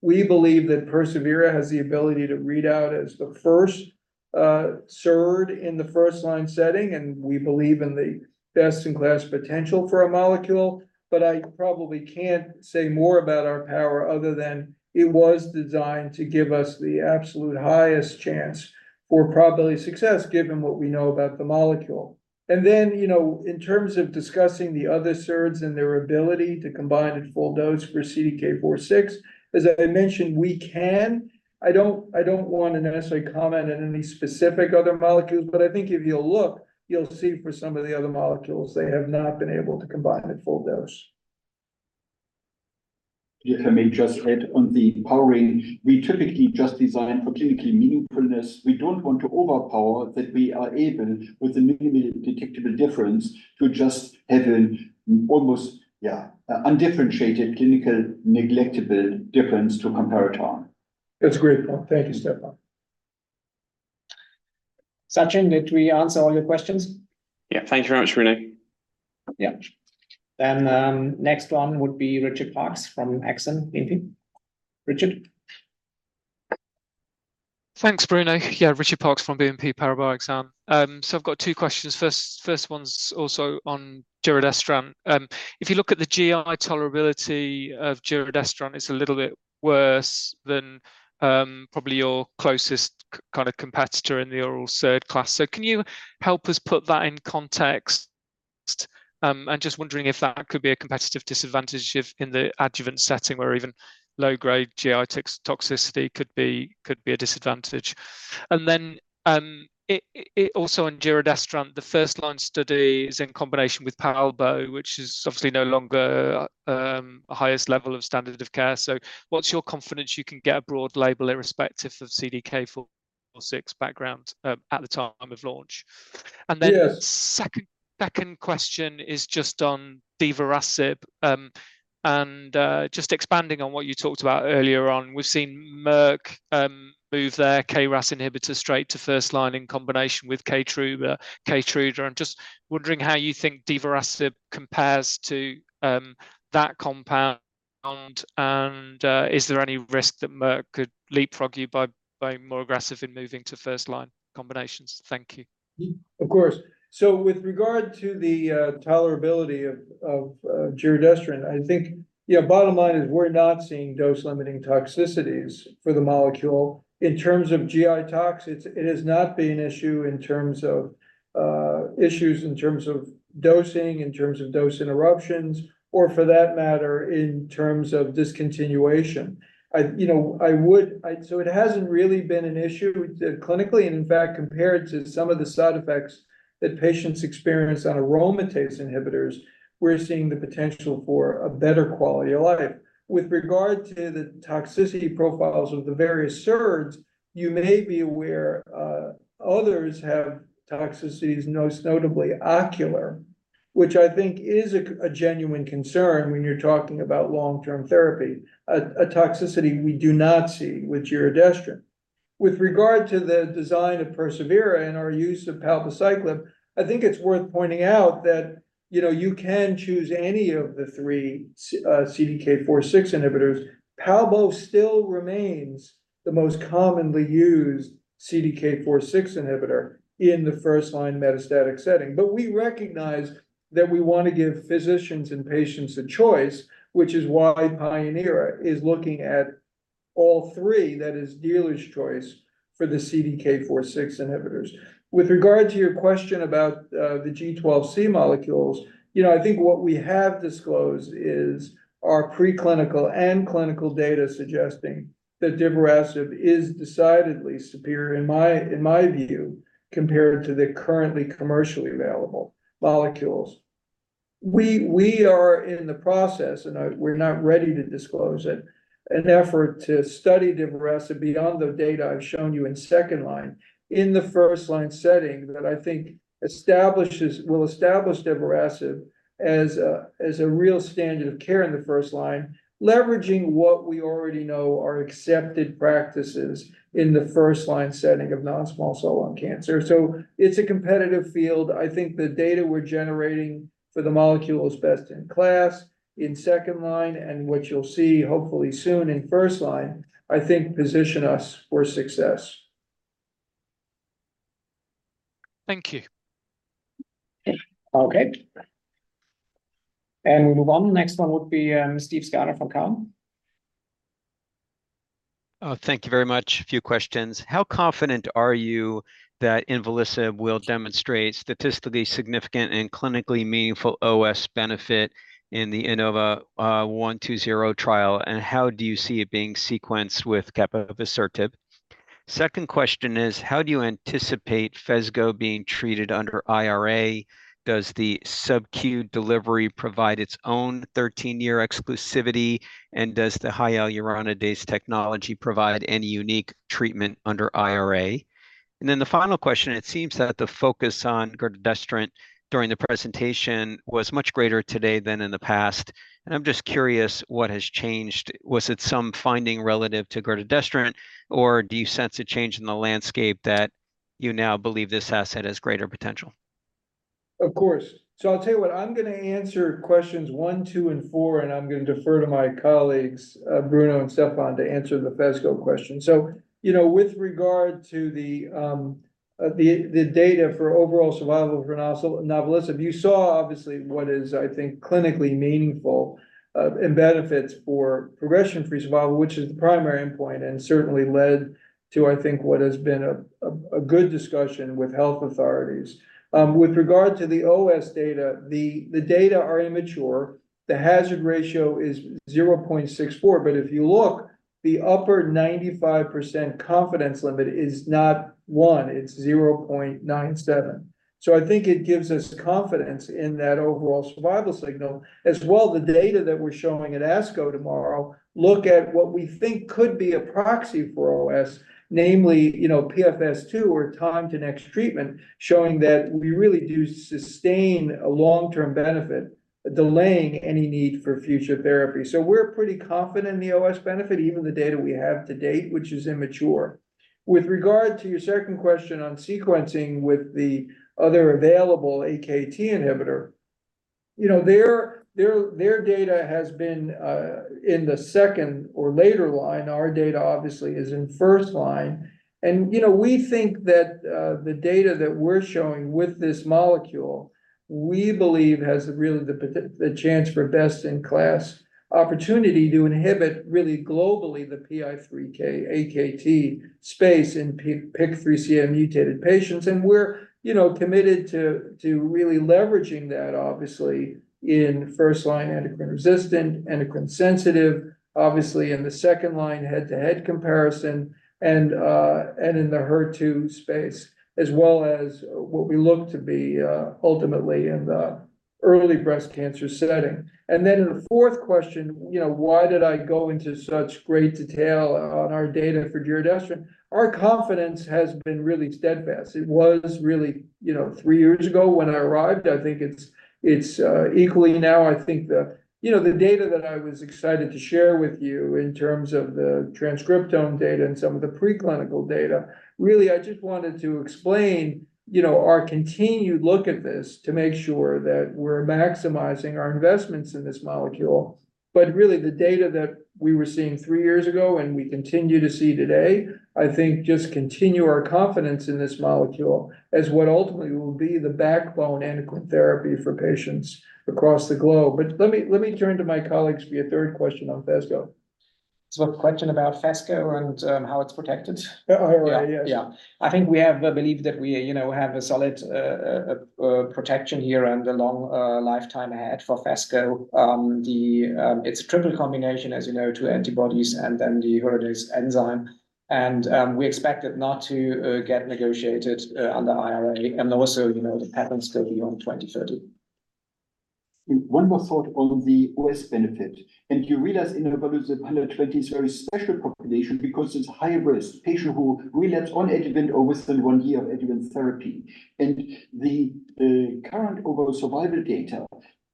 we believe that persevERA has the ability to read out as the first SERD in the first-line setting, and we believe in the best-in-class potential for the molecule. But I probably can't say more about our power other than it was designed to give us the absolute highest chance for probability of success, given what we know about the molecule. And then, you know, in terms of discussing the other SERDs and their ability to combine at full dose for CDK4/6, as I mentioned, we can. I don't want to necessarily comment on any specific other molecules, but I think if you look, you'll see for some of the other molecules, they have not been able to combine at full dose. If I may just add on the powering, we typically just design for clinically meaningfulness. We don't want to overpower, that we are even with the minimally detectable difference to just have an almost undifferentiated, clinical, negligible difference to comparator. That's a great point. Thank you, Stefan. Sachin, did we answer all your questions? Yeah. Thank you very much, Bruno. Yeah. Then, next one would be Richard Parkes from Exane BNP Paribas. Richard? Thanks, Bruno. Yeah, Richard Parkes from Exane BNP Paribas. So I've got two questions. First, first one's also on giredestrant. If you look at the GI tolerability of giredestrant, it's a little bit worse than probably your closest kind of competitor in the oral SERD class. So can you help us put that in context? I'm just wondering if that could be a competitive disadvantage if in the adjuvant setting where even low-grade GI toxicity could be a disadvantage. And then also on giredestrant, the first-line study is in combination with palbo, which is obviously no longer the highest level of standard of care. So what's your confidence you can get a broad label irrespective of CDK4/6 background at the time of launch? Yes. Then second question is just on divarasib. And just expanding on what you talked about earlier on, we've seen Merck move their KRAS inhibitor straight to first-line in combination with Keytruda. I'm just wondering how you think divarasib compares to that compound, and is there any risk that Merck could leapfrog you by being more aggressive in moving to first-line combinations? Thank you. Of course. So with regard to the tolerability of giredestrant, I think, yeah, bottom line is we're not seeing dose-limiting toxicities for the molecule. In terms of GI tox, it's it has not been an issue in terms of issues in terms of dosing, in terms of dose interruptions, or for that matter, in terms of discontinuation. You know, so it hasn't really been an issue clinically, and in fact, compared to some of the side effects that patients experience on aromatase inhibitors, we're seeing the potential for a better quality of life. With regard to the toxicity profiles of the various SERDs, you may be aware, others have toxicities, most notably ocular, which I think is a genuine concern when you're talking about long-term therapy, a toxicity we do not see with giredestrant. With regard to the design of persevERA and our use of palbociclib, I think it's worth pointing out that, you know, you can choose any of the three C, CDK4/6 inhibitors. Palbo still remains the most commonly used CDK4/6 inhibitor in the first-line metastatic setting. But we recognize that we want to give physicians and patients a choice, which is why pioneERA is looking at all three, that is dealer's choice, for the CDK4/6 inhibitors. With regard to your question about, the G12C molecules, you know, I think what we have disclosed is our preclinical and clinical data suggesting that divarasib is decidedly superior, in my, in my view, compared to the currently commercially available molecules. We are in the process, and we're not ready to disclose it, an effort to study divarasib beyond the data I've shown you in second line, in the first-line setting, that I think will establish divarasib as a real standard of care in the first line, leveraging what we already know are accepted practices in the first-line setting of non-small cell lung cancer. So it's a competitive field. I think the data we're generating for the molecule is best in class, in second line, and what you'll see, hopefully soon in first line, I think, position us for success.... Thank you. Okay. And we move on. Next one would be, Steve Scala from Cowen. Oh, thank you very much. A few questions. How confident are you that inavolisib will demonstrate statistically significant and clinically meaningful OS benefit in the INAVO120 trial? And how do you see it being sequenced with capivasertib? Second question is, how do you anticipate Phesgo being treated under IRA? Does the subQ delivery provide its own 13-year exclusivity, and does the high hyaluronidase technology provide any unique treatment under IRA? And then the final question, it seems that the focus on giredestrant during the presentation was much greater today than in the past, and I'm just curious, what has changed? Was it some finding relative to giredestrant, or do you sense a change in the landscape that you now believe this asset has greater potential? Of course. So I'll tell you what, I'm gonna answer questions one, two, and four, and I'm gonna defer to my colleagues, Bruno and Stefan, to answer the Phesgo question. So, you know, with regard to the, the data for overall survival for inavolisib, you saw obviously what is, I think, clinically meaningful, in benefits for progression-free survival, which is the primary endpoint, and certainly led to, I think, what has been a, a, a good discussion with health authorities. With regard to the OS data, the data are immature. The hazard ratio is 0.64, but if you look, the upper 95% confidence limit is not one, it's 0.97. So I think it gives us confidence in that overall survival signal. As well, the data that we're showing at ASCO tomorrow look at what we think could be a proxy for OS, namely, you know, PFS2 or time to next treatment, showing that we really do sustain a long-term benefit, delaying any need for future therapy. So we're pretty confident in the OS benefit, even the data we have to date, which is immature. With regard to your second question on sequencing with the other available AKT inhibitor, you know, their data has been in the second or later line. Our data obviously is in first line, and, you know, we think that the data that we're showing with this molecule, we believe, has really the chance for best-in-class opportunity to inhibit, really globally, the PI3K AKT space in PIK3CA mutated patients. And we're, you know, committed to, to really leveraging that obviously in first-line endocrine-resistant, endocrine-sensitive, obviously in the second-line head-to-head comparison, and, and in the HER2 space, as well as what we look to be, ultimately in the early breast cancer setting. And then in the fourth question, you know, why did I go into such great detail on our data for giredestrant? Our confidence has been really steadfast. It was really, you know, three years ago when I arrived. I think it's, it's, equally now, I think the... You know, the data that I was excited to share with you in terms of the transcriptome data and some of the preclinical data, really, I just wanted to explain, you know, our continued look at this to make sure that we're maximizing our investments in this molecule. But really, the data that we were seeing three years ago and we continue to see today, I think just continue our confidence in this molecule as what ultimately will be the backbone endocrine therapy for patients across the globe. But let me, let me turn to my colleagues for your third question on Phesgo. A question about Phesgo and how it's protected. Oh, right. Yes. Yeah. I think we have a belief that we, you know, have a solid protection here and a long lifetime ahead for Phesgo. It's a triple combination, as you know, two antibodies and then the hyaluronidase enzyme, and we expect it not to get negotiated under IRA, and also, you know, the patents go beyond 2030. One more thought on the OS benefit, and you realize in inavolisib, the INAVO120 is a very special population because it's a high risk patient who relapse on adjuvant or within one year of adjuvant therapy. And the current overall survival data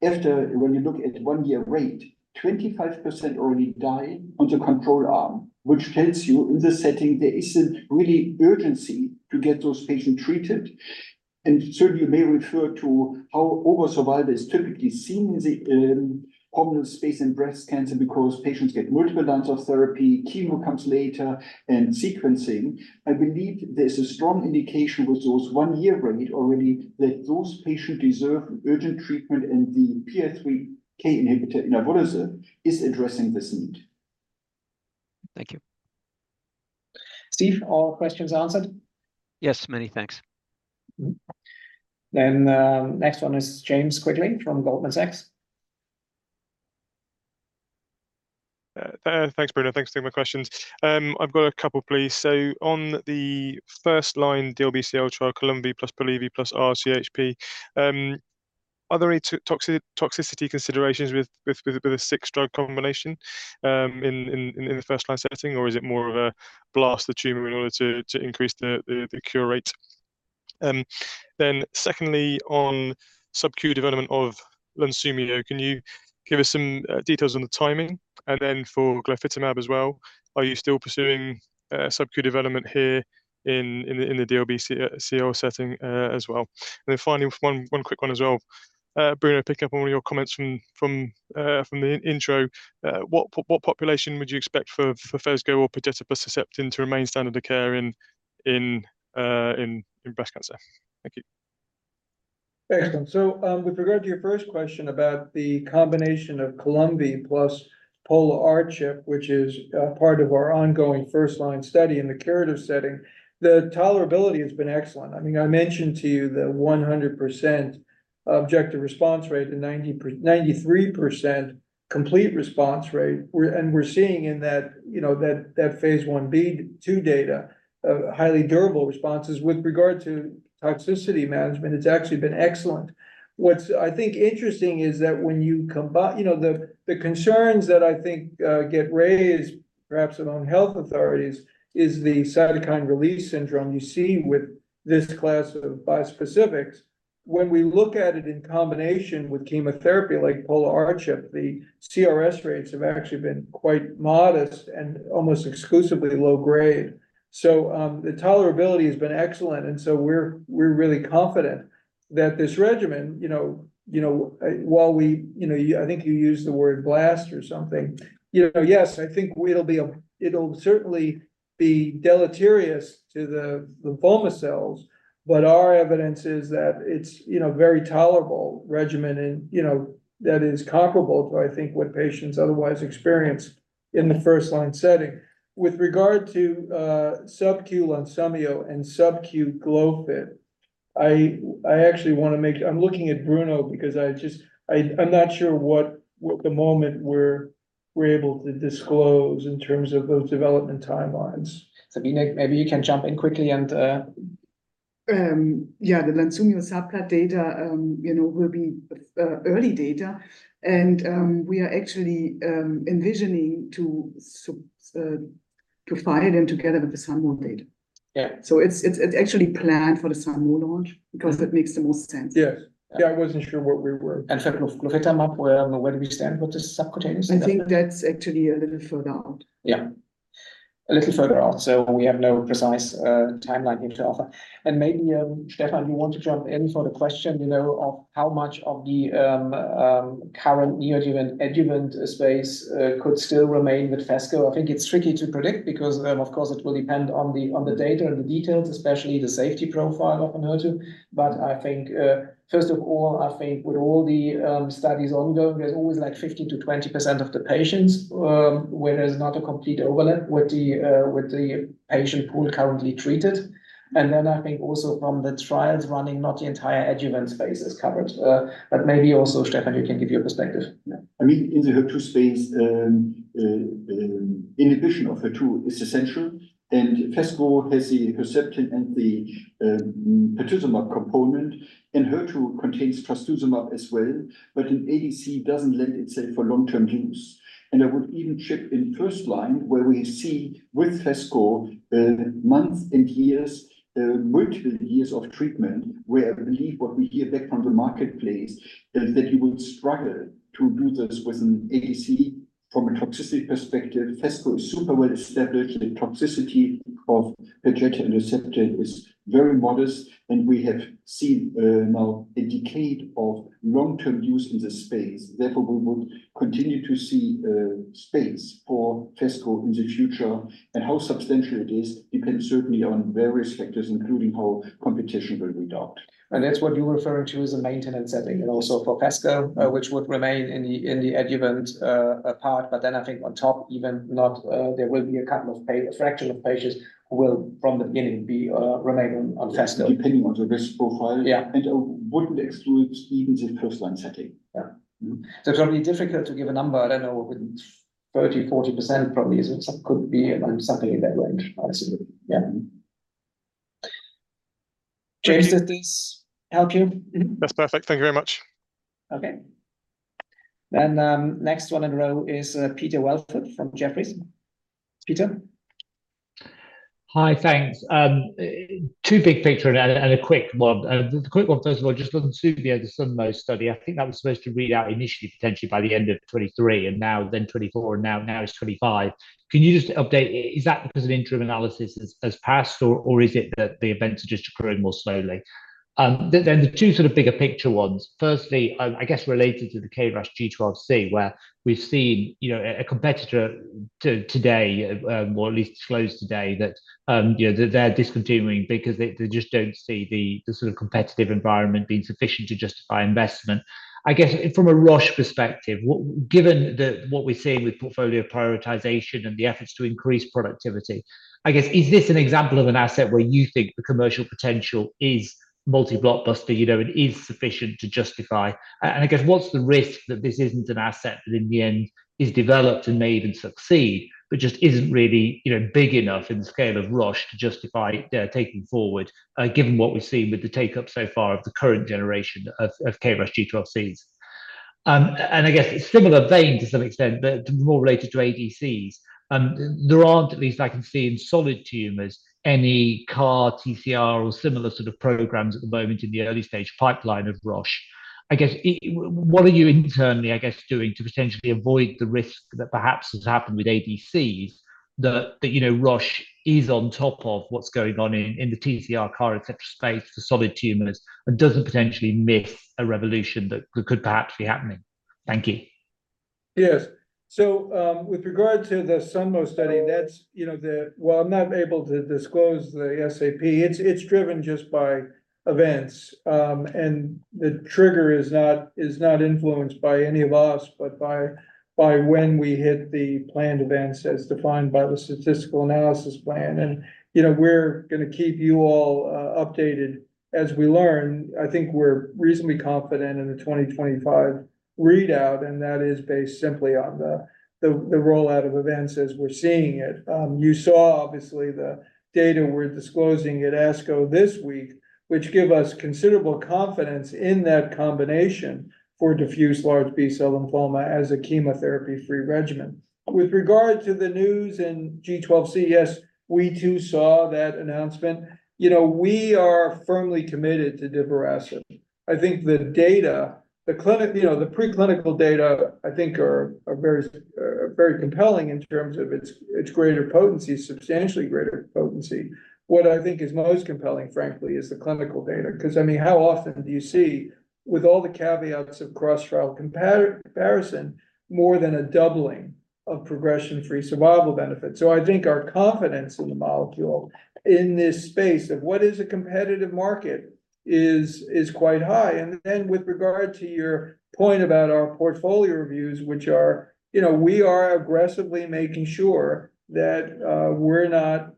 after, when you look at one-year rate, 25% already die on the control arm, which tells you in this setting, there is a really urgency to get those patients treated. And certainly you may refer to how overall survival is typically seen in the hormone space in breast cancer because patients get multiple lines of therapy, chemo comes later, and sequencing. I believe there's a strong indication with those one-year rate already that those patients deserve urgent treatment, and the PI3K inhibitor, inavolisib, is addressing this need. Thank you. Steve, all questions answered? Yes, many thanks. Mm-hmm. Then, next one is James Quigley from Goldman Sachs. Thanks, Bruno. Thanks for taking my questions. I've got a couple, please. So on the first line, DLBCL trial, Columvi plus Polivy plus R-CHP, are there any toxicity considerations with the six-drug combination in the first-line setting, or is it more of a blast the tumor in order to increase the cure rate? Then secondly, on sub-Q development of Lunsumio, can you give us some details on the timing? And then for glofitamab as well, are you still pursuing sub-Q development here in the DLBCL setting as well? And then finally, one quick one as well. Bruno, picking up on one of your comments from the intro, what population would you expect for Phesgo or vedotispocettin to remain standard of care in breast cancer? Thank you.... Excellent. So, with regard to your first question about the combination of Columvi plus Pola-R-CHP, which is part of our ongoing first-line study in the curative setting, the tolerability has been excellent. I mean, I mentioned to you the 100% objective response rate and 93% complete response rate. And we're seeing in that, you know, that phase one B two data of highly durable responses. With regard to toxicity management, it's actually been excellent. What I think interesting is that when you combine, you know, the concerns that I think get raised, perhaps among health authorities, is the cytokine release syndrome you see with this class of bispecifics. When we look at it in combination with chemotherapy, like Pola-R-CHP, the CRS rates have actually been quite modest and almost exclusively low grade. So, the tolerability has been excellent, and so we're really confident that this regimen, you know, you know, while we... You know, I think you used the word blast or something. You know, yes, I think it'll certainly be deleterious to the lymphoma cells, but our evidence is that it's, you know, very tolerable regimen and, you know, that is comparable to, I think, what patients otherwise experience in the first-line setting. With regard to subcu Lunsumio and subcu Columvi, I actually wanna make... I'm looking at Bruno because I just- I'm not sure what moment we're able to disclose in terms of those development timelines. Sabine, maybe you can jump in quickly and, Yeah, the Lunsumio subcu data, you know, will be early data, and we are actually envisioning to provide them together with the SUNMO data. Yeah. It's actually planned for the SUNMO launch because that makes the most sense. Yes. Yeah, I wasn't sure what we were- Glofitamab, where do we stand with the subcutaneous? I think that's actually a little further out. Yeah. A little further out, so we have no precise timeline here to offer. And maybe, Stefan, you want to jump in for the question, you know, of how much of the current neoadjuvant adjuvant space could still remain with Phesgo? I think it's tricky to predict because, of course, it will depend on the data and the details, especially the safety profile of an HER2. But I think, first of all, I think with all the studies ongoing, there's always, like, 50%-20% of the patients where there's not a complete overlap with the patient pool currently treated. And then I think also from the trials running, not the entire adjuvant space is covered. But maybe also, Stefan, you can give your perspective. I mean, in the HER2 space, inhibition of HER2 is essential, and Phesgo has the Perjeta and the pertuzumab component, and Phesgo contains trastuzumab as well, but an ADC doesn't lend itself for long-term use. And I would even chime in first line, where we see with Phesgo, months and years, multiple years of treatment, where I believe what we hear back from the marketplace is that you would struggle to do this with an ADC from a toxicity perspective. Phesgo is super well established. The toxicity of pertuzumab and trastuzumab is very modest, and we have seen now a decade of long-term use in this space. Therefore, we will continue to see space for Phesgo in the future, and how substantial it is depends certainly on various factors, including how competition will be priced. And that's what you're referring to as a maintenance setting, and also for Phesgo, which would remain in the adjuvant part. But then I think on top, even not, there will be a couple of a fraction of patients who will, from the beginning, remain on Phesgo. Depending on the risk profile- Yeah... it wouldn't exclude even the first line setting. Yeah. Mm-hmm. So it's probably difficult to give a number. I don't know, within 30%-40% probably is, could be something in that range. Absolutely. Yeah. James, did this help you? Mm-hmm. That's perfect. Thank you very much. Okay. Then, next one in a row is, Peter Welford from Jefferies. Peter? Hi, thanks. Two big picture and a quick one. The quick one, first of all, just looking to the other SUNMO study. I think that was supposed to read out initially, potentially by the end of 2023, and now then 2024, and now it's 2025. Can you just update, is that because of interim analysis has passed, or is it that the events are just occurring more slowly? Then the two sort of bigger picture ones. Firstly, I guess related to the KRAS G12C, where we've seen, you know, a competitor to- today, or at least close today, that, you know, that they're discontinuing because they just don't see the sort of competitive environment being sufficient to justify investment. I guess from a Roche perspective, what... Given what we're seeing with portfolio prioritization and the efforts to increase productivity, I guess, is this an example of an asset where you think the commercial potential is multi-blockbuster, you know, and is sufficient to justify? And I guess, what's the risk that this isn't an asset that in the end is developed and may even succeed, but just isn't really, you know, big enough in the scale of Roche to justify their taking forward, given what we've seen with the take-up so far of the current generation of KRAS G12Cs? And I guess a similar vein to some extent, but more related to ADCs, there aren't, at least I can see in solid tumors, any CAR TCR or similar sort of programs at the moment in the early-stage pipeline of Roche. I guess, what are you internally, I guess, doing to potentially avoid the risk that perhaps has happened with ADCs, that you know, Roche is on top of what's going on in the TCR, CAR, et cetera, space for solid tumors and doesn't potentially miss a revolution that could perhaps be happening? Thank you.... Yes. So, with regard to the SUNMO study, that's, you know, well, I'm not able to disclose the SAP. It's, it's driven just by events. And the trigger is not, is not influenced by any of us, but by, by when we hit the planned events as defined by the statistical analysis plan. And, you know, we're gonna keep you all updated as we learn. I think we're reasonably confident in the 2025 readout, and that is based simply on the, the, the rollout of events as we're seeing it. You saw obviously the data we're disclosing at ASCO this week, which give us considerable confidence in that combination for diffuse large B-cell lymphoma as a chemotherapy-free regimen. With regard to the news in G12C, yes, we too saw that announcement. You know, we are firmly committed to divarasib. I think the data, the—you know, the preclinical data, I think are very compelling in terms of its greater potency, substantially greater potency. What I think is most compelling, frankly, is the clinical data, 'cause, I mean, how often do you see, with all the caveats of cross-trial comparison, more than a doubling of progression-free survival benefit? So I think our confidence in the molecule in this space of what is a competitive market is quite high. And then with regard to your point about our portfolio reviews, which are... You know, we are aggressively making sure that we're not...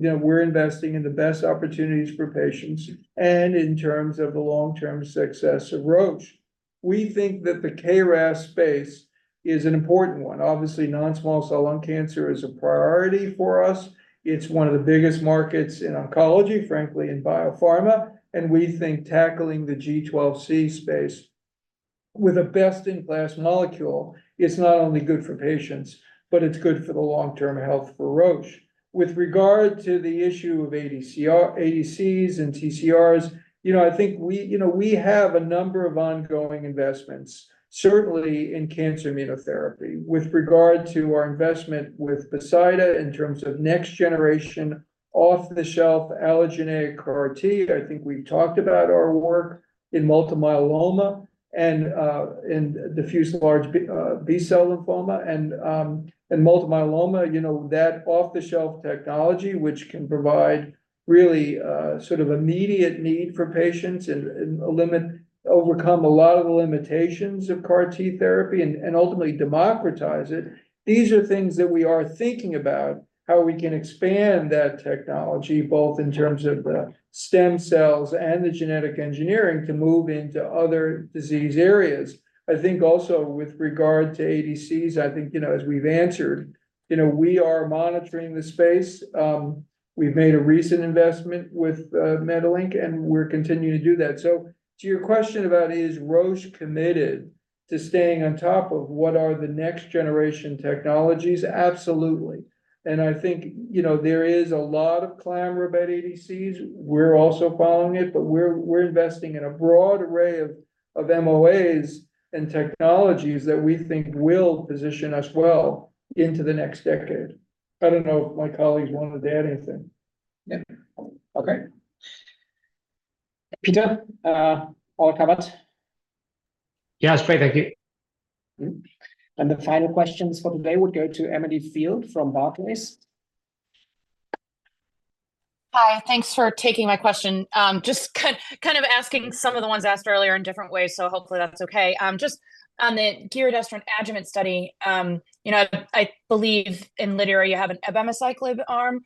You know, we're investing in the best opportunities for patients and in terms of the long-term success of Roche. We think that the KRAS space is an important one. Obviously, non-small cell lung cancer is a priority for us. It's one of the biggest markets in oncology, frankly, in biopharma, and we think tackling the G12C space with a best-in-class molecule is not only good for patients, but it's good for the long-term health for Roche. With regard to the issue of ADCs and TCRs, you know, I think we, you know, we have a number of ongoing investments, certainly in cancer immunotherapy. With regard to our investment with Poseida in terms of next-generation, off-the-shelf allogeneic CAR T, I think we've talked about our work in multiple myeloma and in diffuse large B-cell lymphoma. In multiple myeloma, you know, that off-the-shelf technology, which can provide really, sort of immediate need for patients and, and overcome a lot of the limitations of CAR T therapy and, and ultimately democratize it, these are things that we are thinking about, how we can expand that technology, both in terms of the stem cells and the genetic engineering, to move into other disease areas. I think also with regard to ADCs, I think, you know, as we've answered, you know, we are monitoring the space. We've made a recent investment with, uh, MediLink, and we're continuing to do that. So to your question about is Roche committed to staying on top of what are the next-generation technologies? Absolutely. I think, you know, there is a lot of clamor about ADCs. We're also following it, but we're investing in a broad array of MOAs and technologies that we think will position us well into the next decade. I don't know if my colleagues want to add anything. Yeah. Okay. Peter, all covered? Yeah, it's great. Thank you. Mm-hmm. The final questions for today would go to Emily Field from Barclays. Hi, thanks for taking my question. Just kind of asking some of the ones asked earlier in different ways, so hopefully that's okay. Just on the giredestrant adjuvant study, you know, I believe in lidERA you have an abemaciclib arm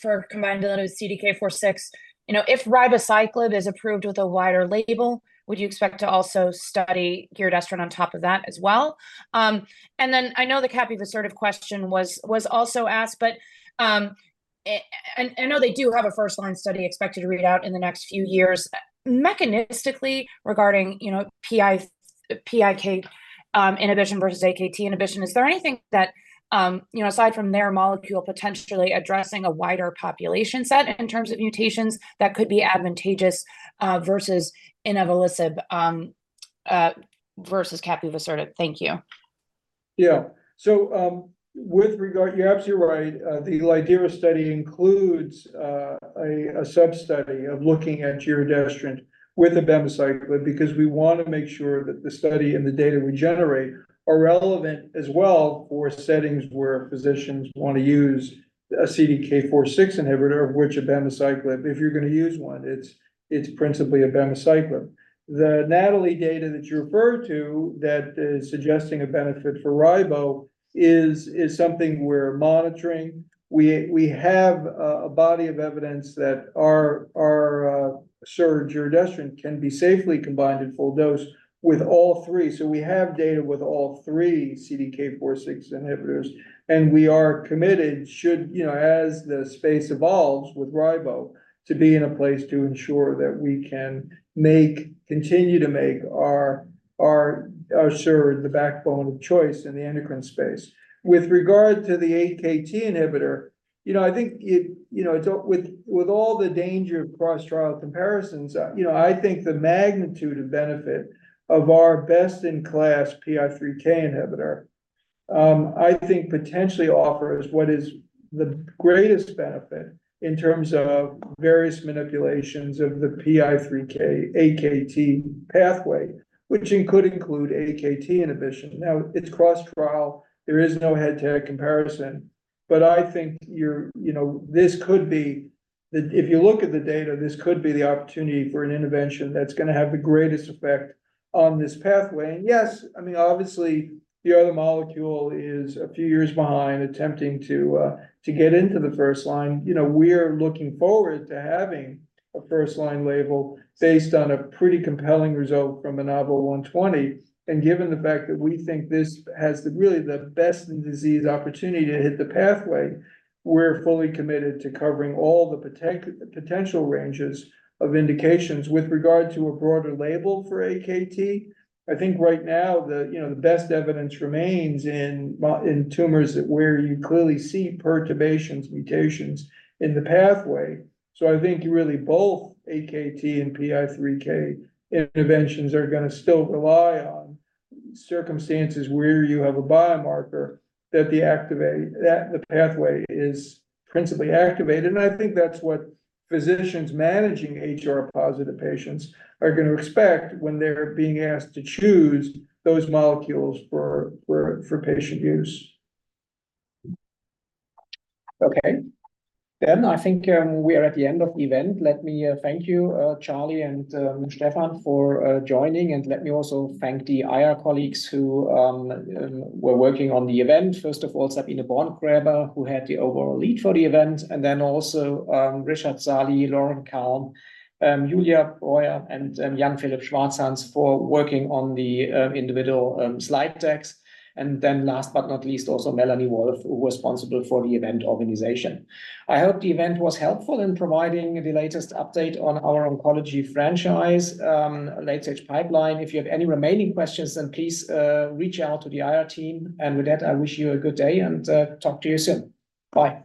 for combination with CDK4/6. You know, if ribociclib is approved with a wider label, would you expect to also study giredestrant on top of that as well? And then I know the capivasertib question was also asked, but I know they do have a first-line study expected to read out in the next few years. Mechanistically, regarding, you know, PI3K inhibition versus AKT inhibition, is there anything that, you know, aside from their molecule potentially addressing a wider population set in terms of mutations that could be advantageous versus inavolisib versus capivasertib? Thank you. Yeah. So, with regard... You're absolutely right. The lidERA study includes a substudy of looking at giredestrant with abemaciclib, because we wanna make sure that the study and the data we generate are relevant as well for settings where physicians wanna use a CDK4/6 inhibitor, of which abemaciclib, if you're gonna use one, it's principally abemaciclib. The NATALEE data that you referred to, that is suggesting a benefit for ribo, is something we're monitoring. We have a body of evidence that our giredestrant can be safely combined in full dose with all three. So we have data with all three CDK4/6 inhibitors, and we are committed, should, you know, as the space evolves with ribo, to be in a place to ensure that we can make continue to make our, our, SERD the backbone of choice in the endocrine space. With regard to the AKT inhibitor, you know, I think it. With all the danger of cross-trial comparisons, you know, I think the magnitude of benefit of our best-in-class PI3K inhibitor. I think potentially offers what is the greatest benefit in terms of various manipulations of the PI3K/AKT pathway, which could include AKT inhibition. Now, it's cross-trial. There is no head-to-head comparison, but I think you know, this could be that if you look at the data, this could be the opportunity for an intervention that's gonna have the greatest effect on this pathway. Yes, I mean, obviously, the other molecule is a few years behind, attempting to get into the first-line. You know, we're looking forward to having a first-line label based on a pretty compelling result from the INAVO120, and given the fact that we think this has, really, the best-in-disease opportunity to hit the pathway, we're fully committed to covering all the potential ranges of indications. With regard to a broader label for AKT, I think right now, you know, the best evidence remains in tumors where you clearly see perturbations, mutations in the pathway. So I think really both AKT and PI3K interventions are gonna still rely on circumstances where you have a biomarker, that the pathway is principally activated. I think that's what physicians managing HR-positive patients are gonna expect when they're being asked to choose those molecules for patient use. Okay. Then I think we are at the end of the event. Let me thank you, Charles and Stefan, for joining, and let me also thank the IR colleagues who were working on the event. First of all, Sabine Borngräber, who had the overall lead for the event, and then also Richard Sahli, Lauren Kulm, Julia Royer, and Jan-Philipp Schwarzhans for working on the individual slide decks. And then last but not least, also Melanie Wolf, who was responsible for the event organization. I hope the event was helpful in providing the latest update on our oncology franchise, late-stage pipeline. If you have any remaining questions, then please reach out to the IR team, and with that, I wish you a good day, and talk to you soon. Bye.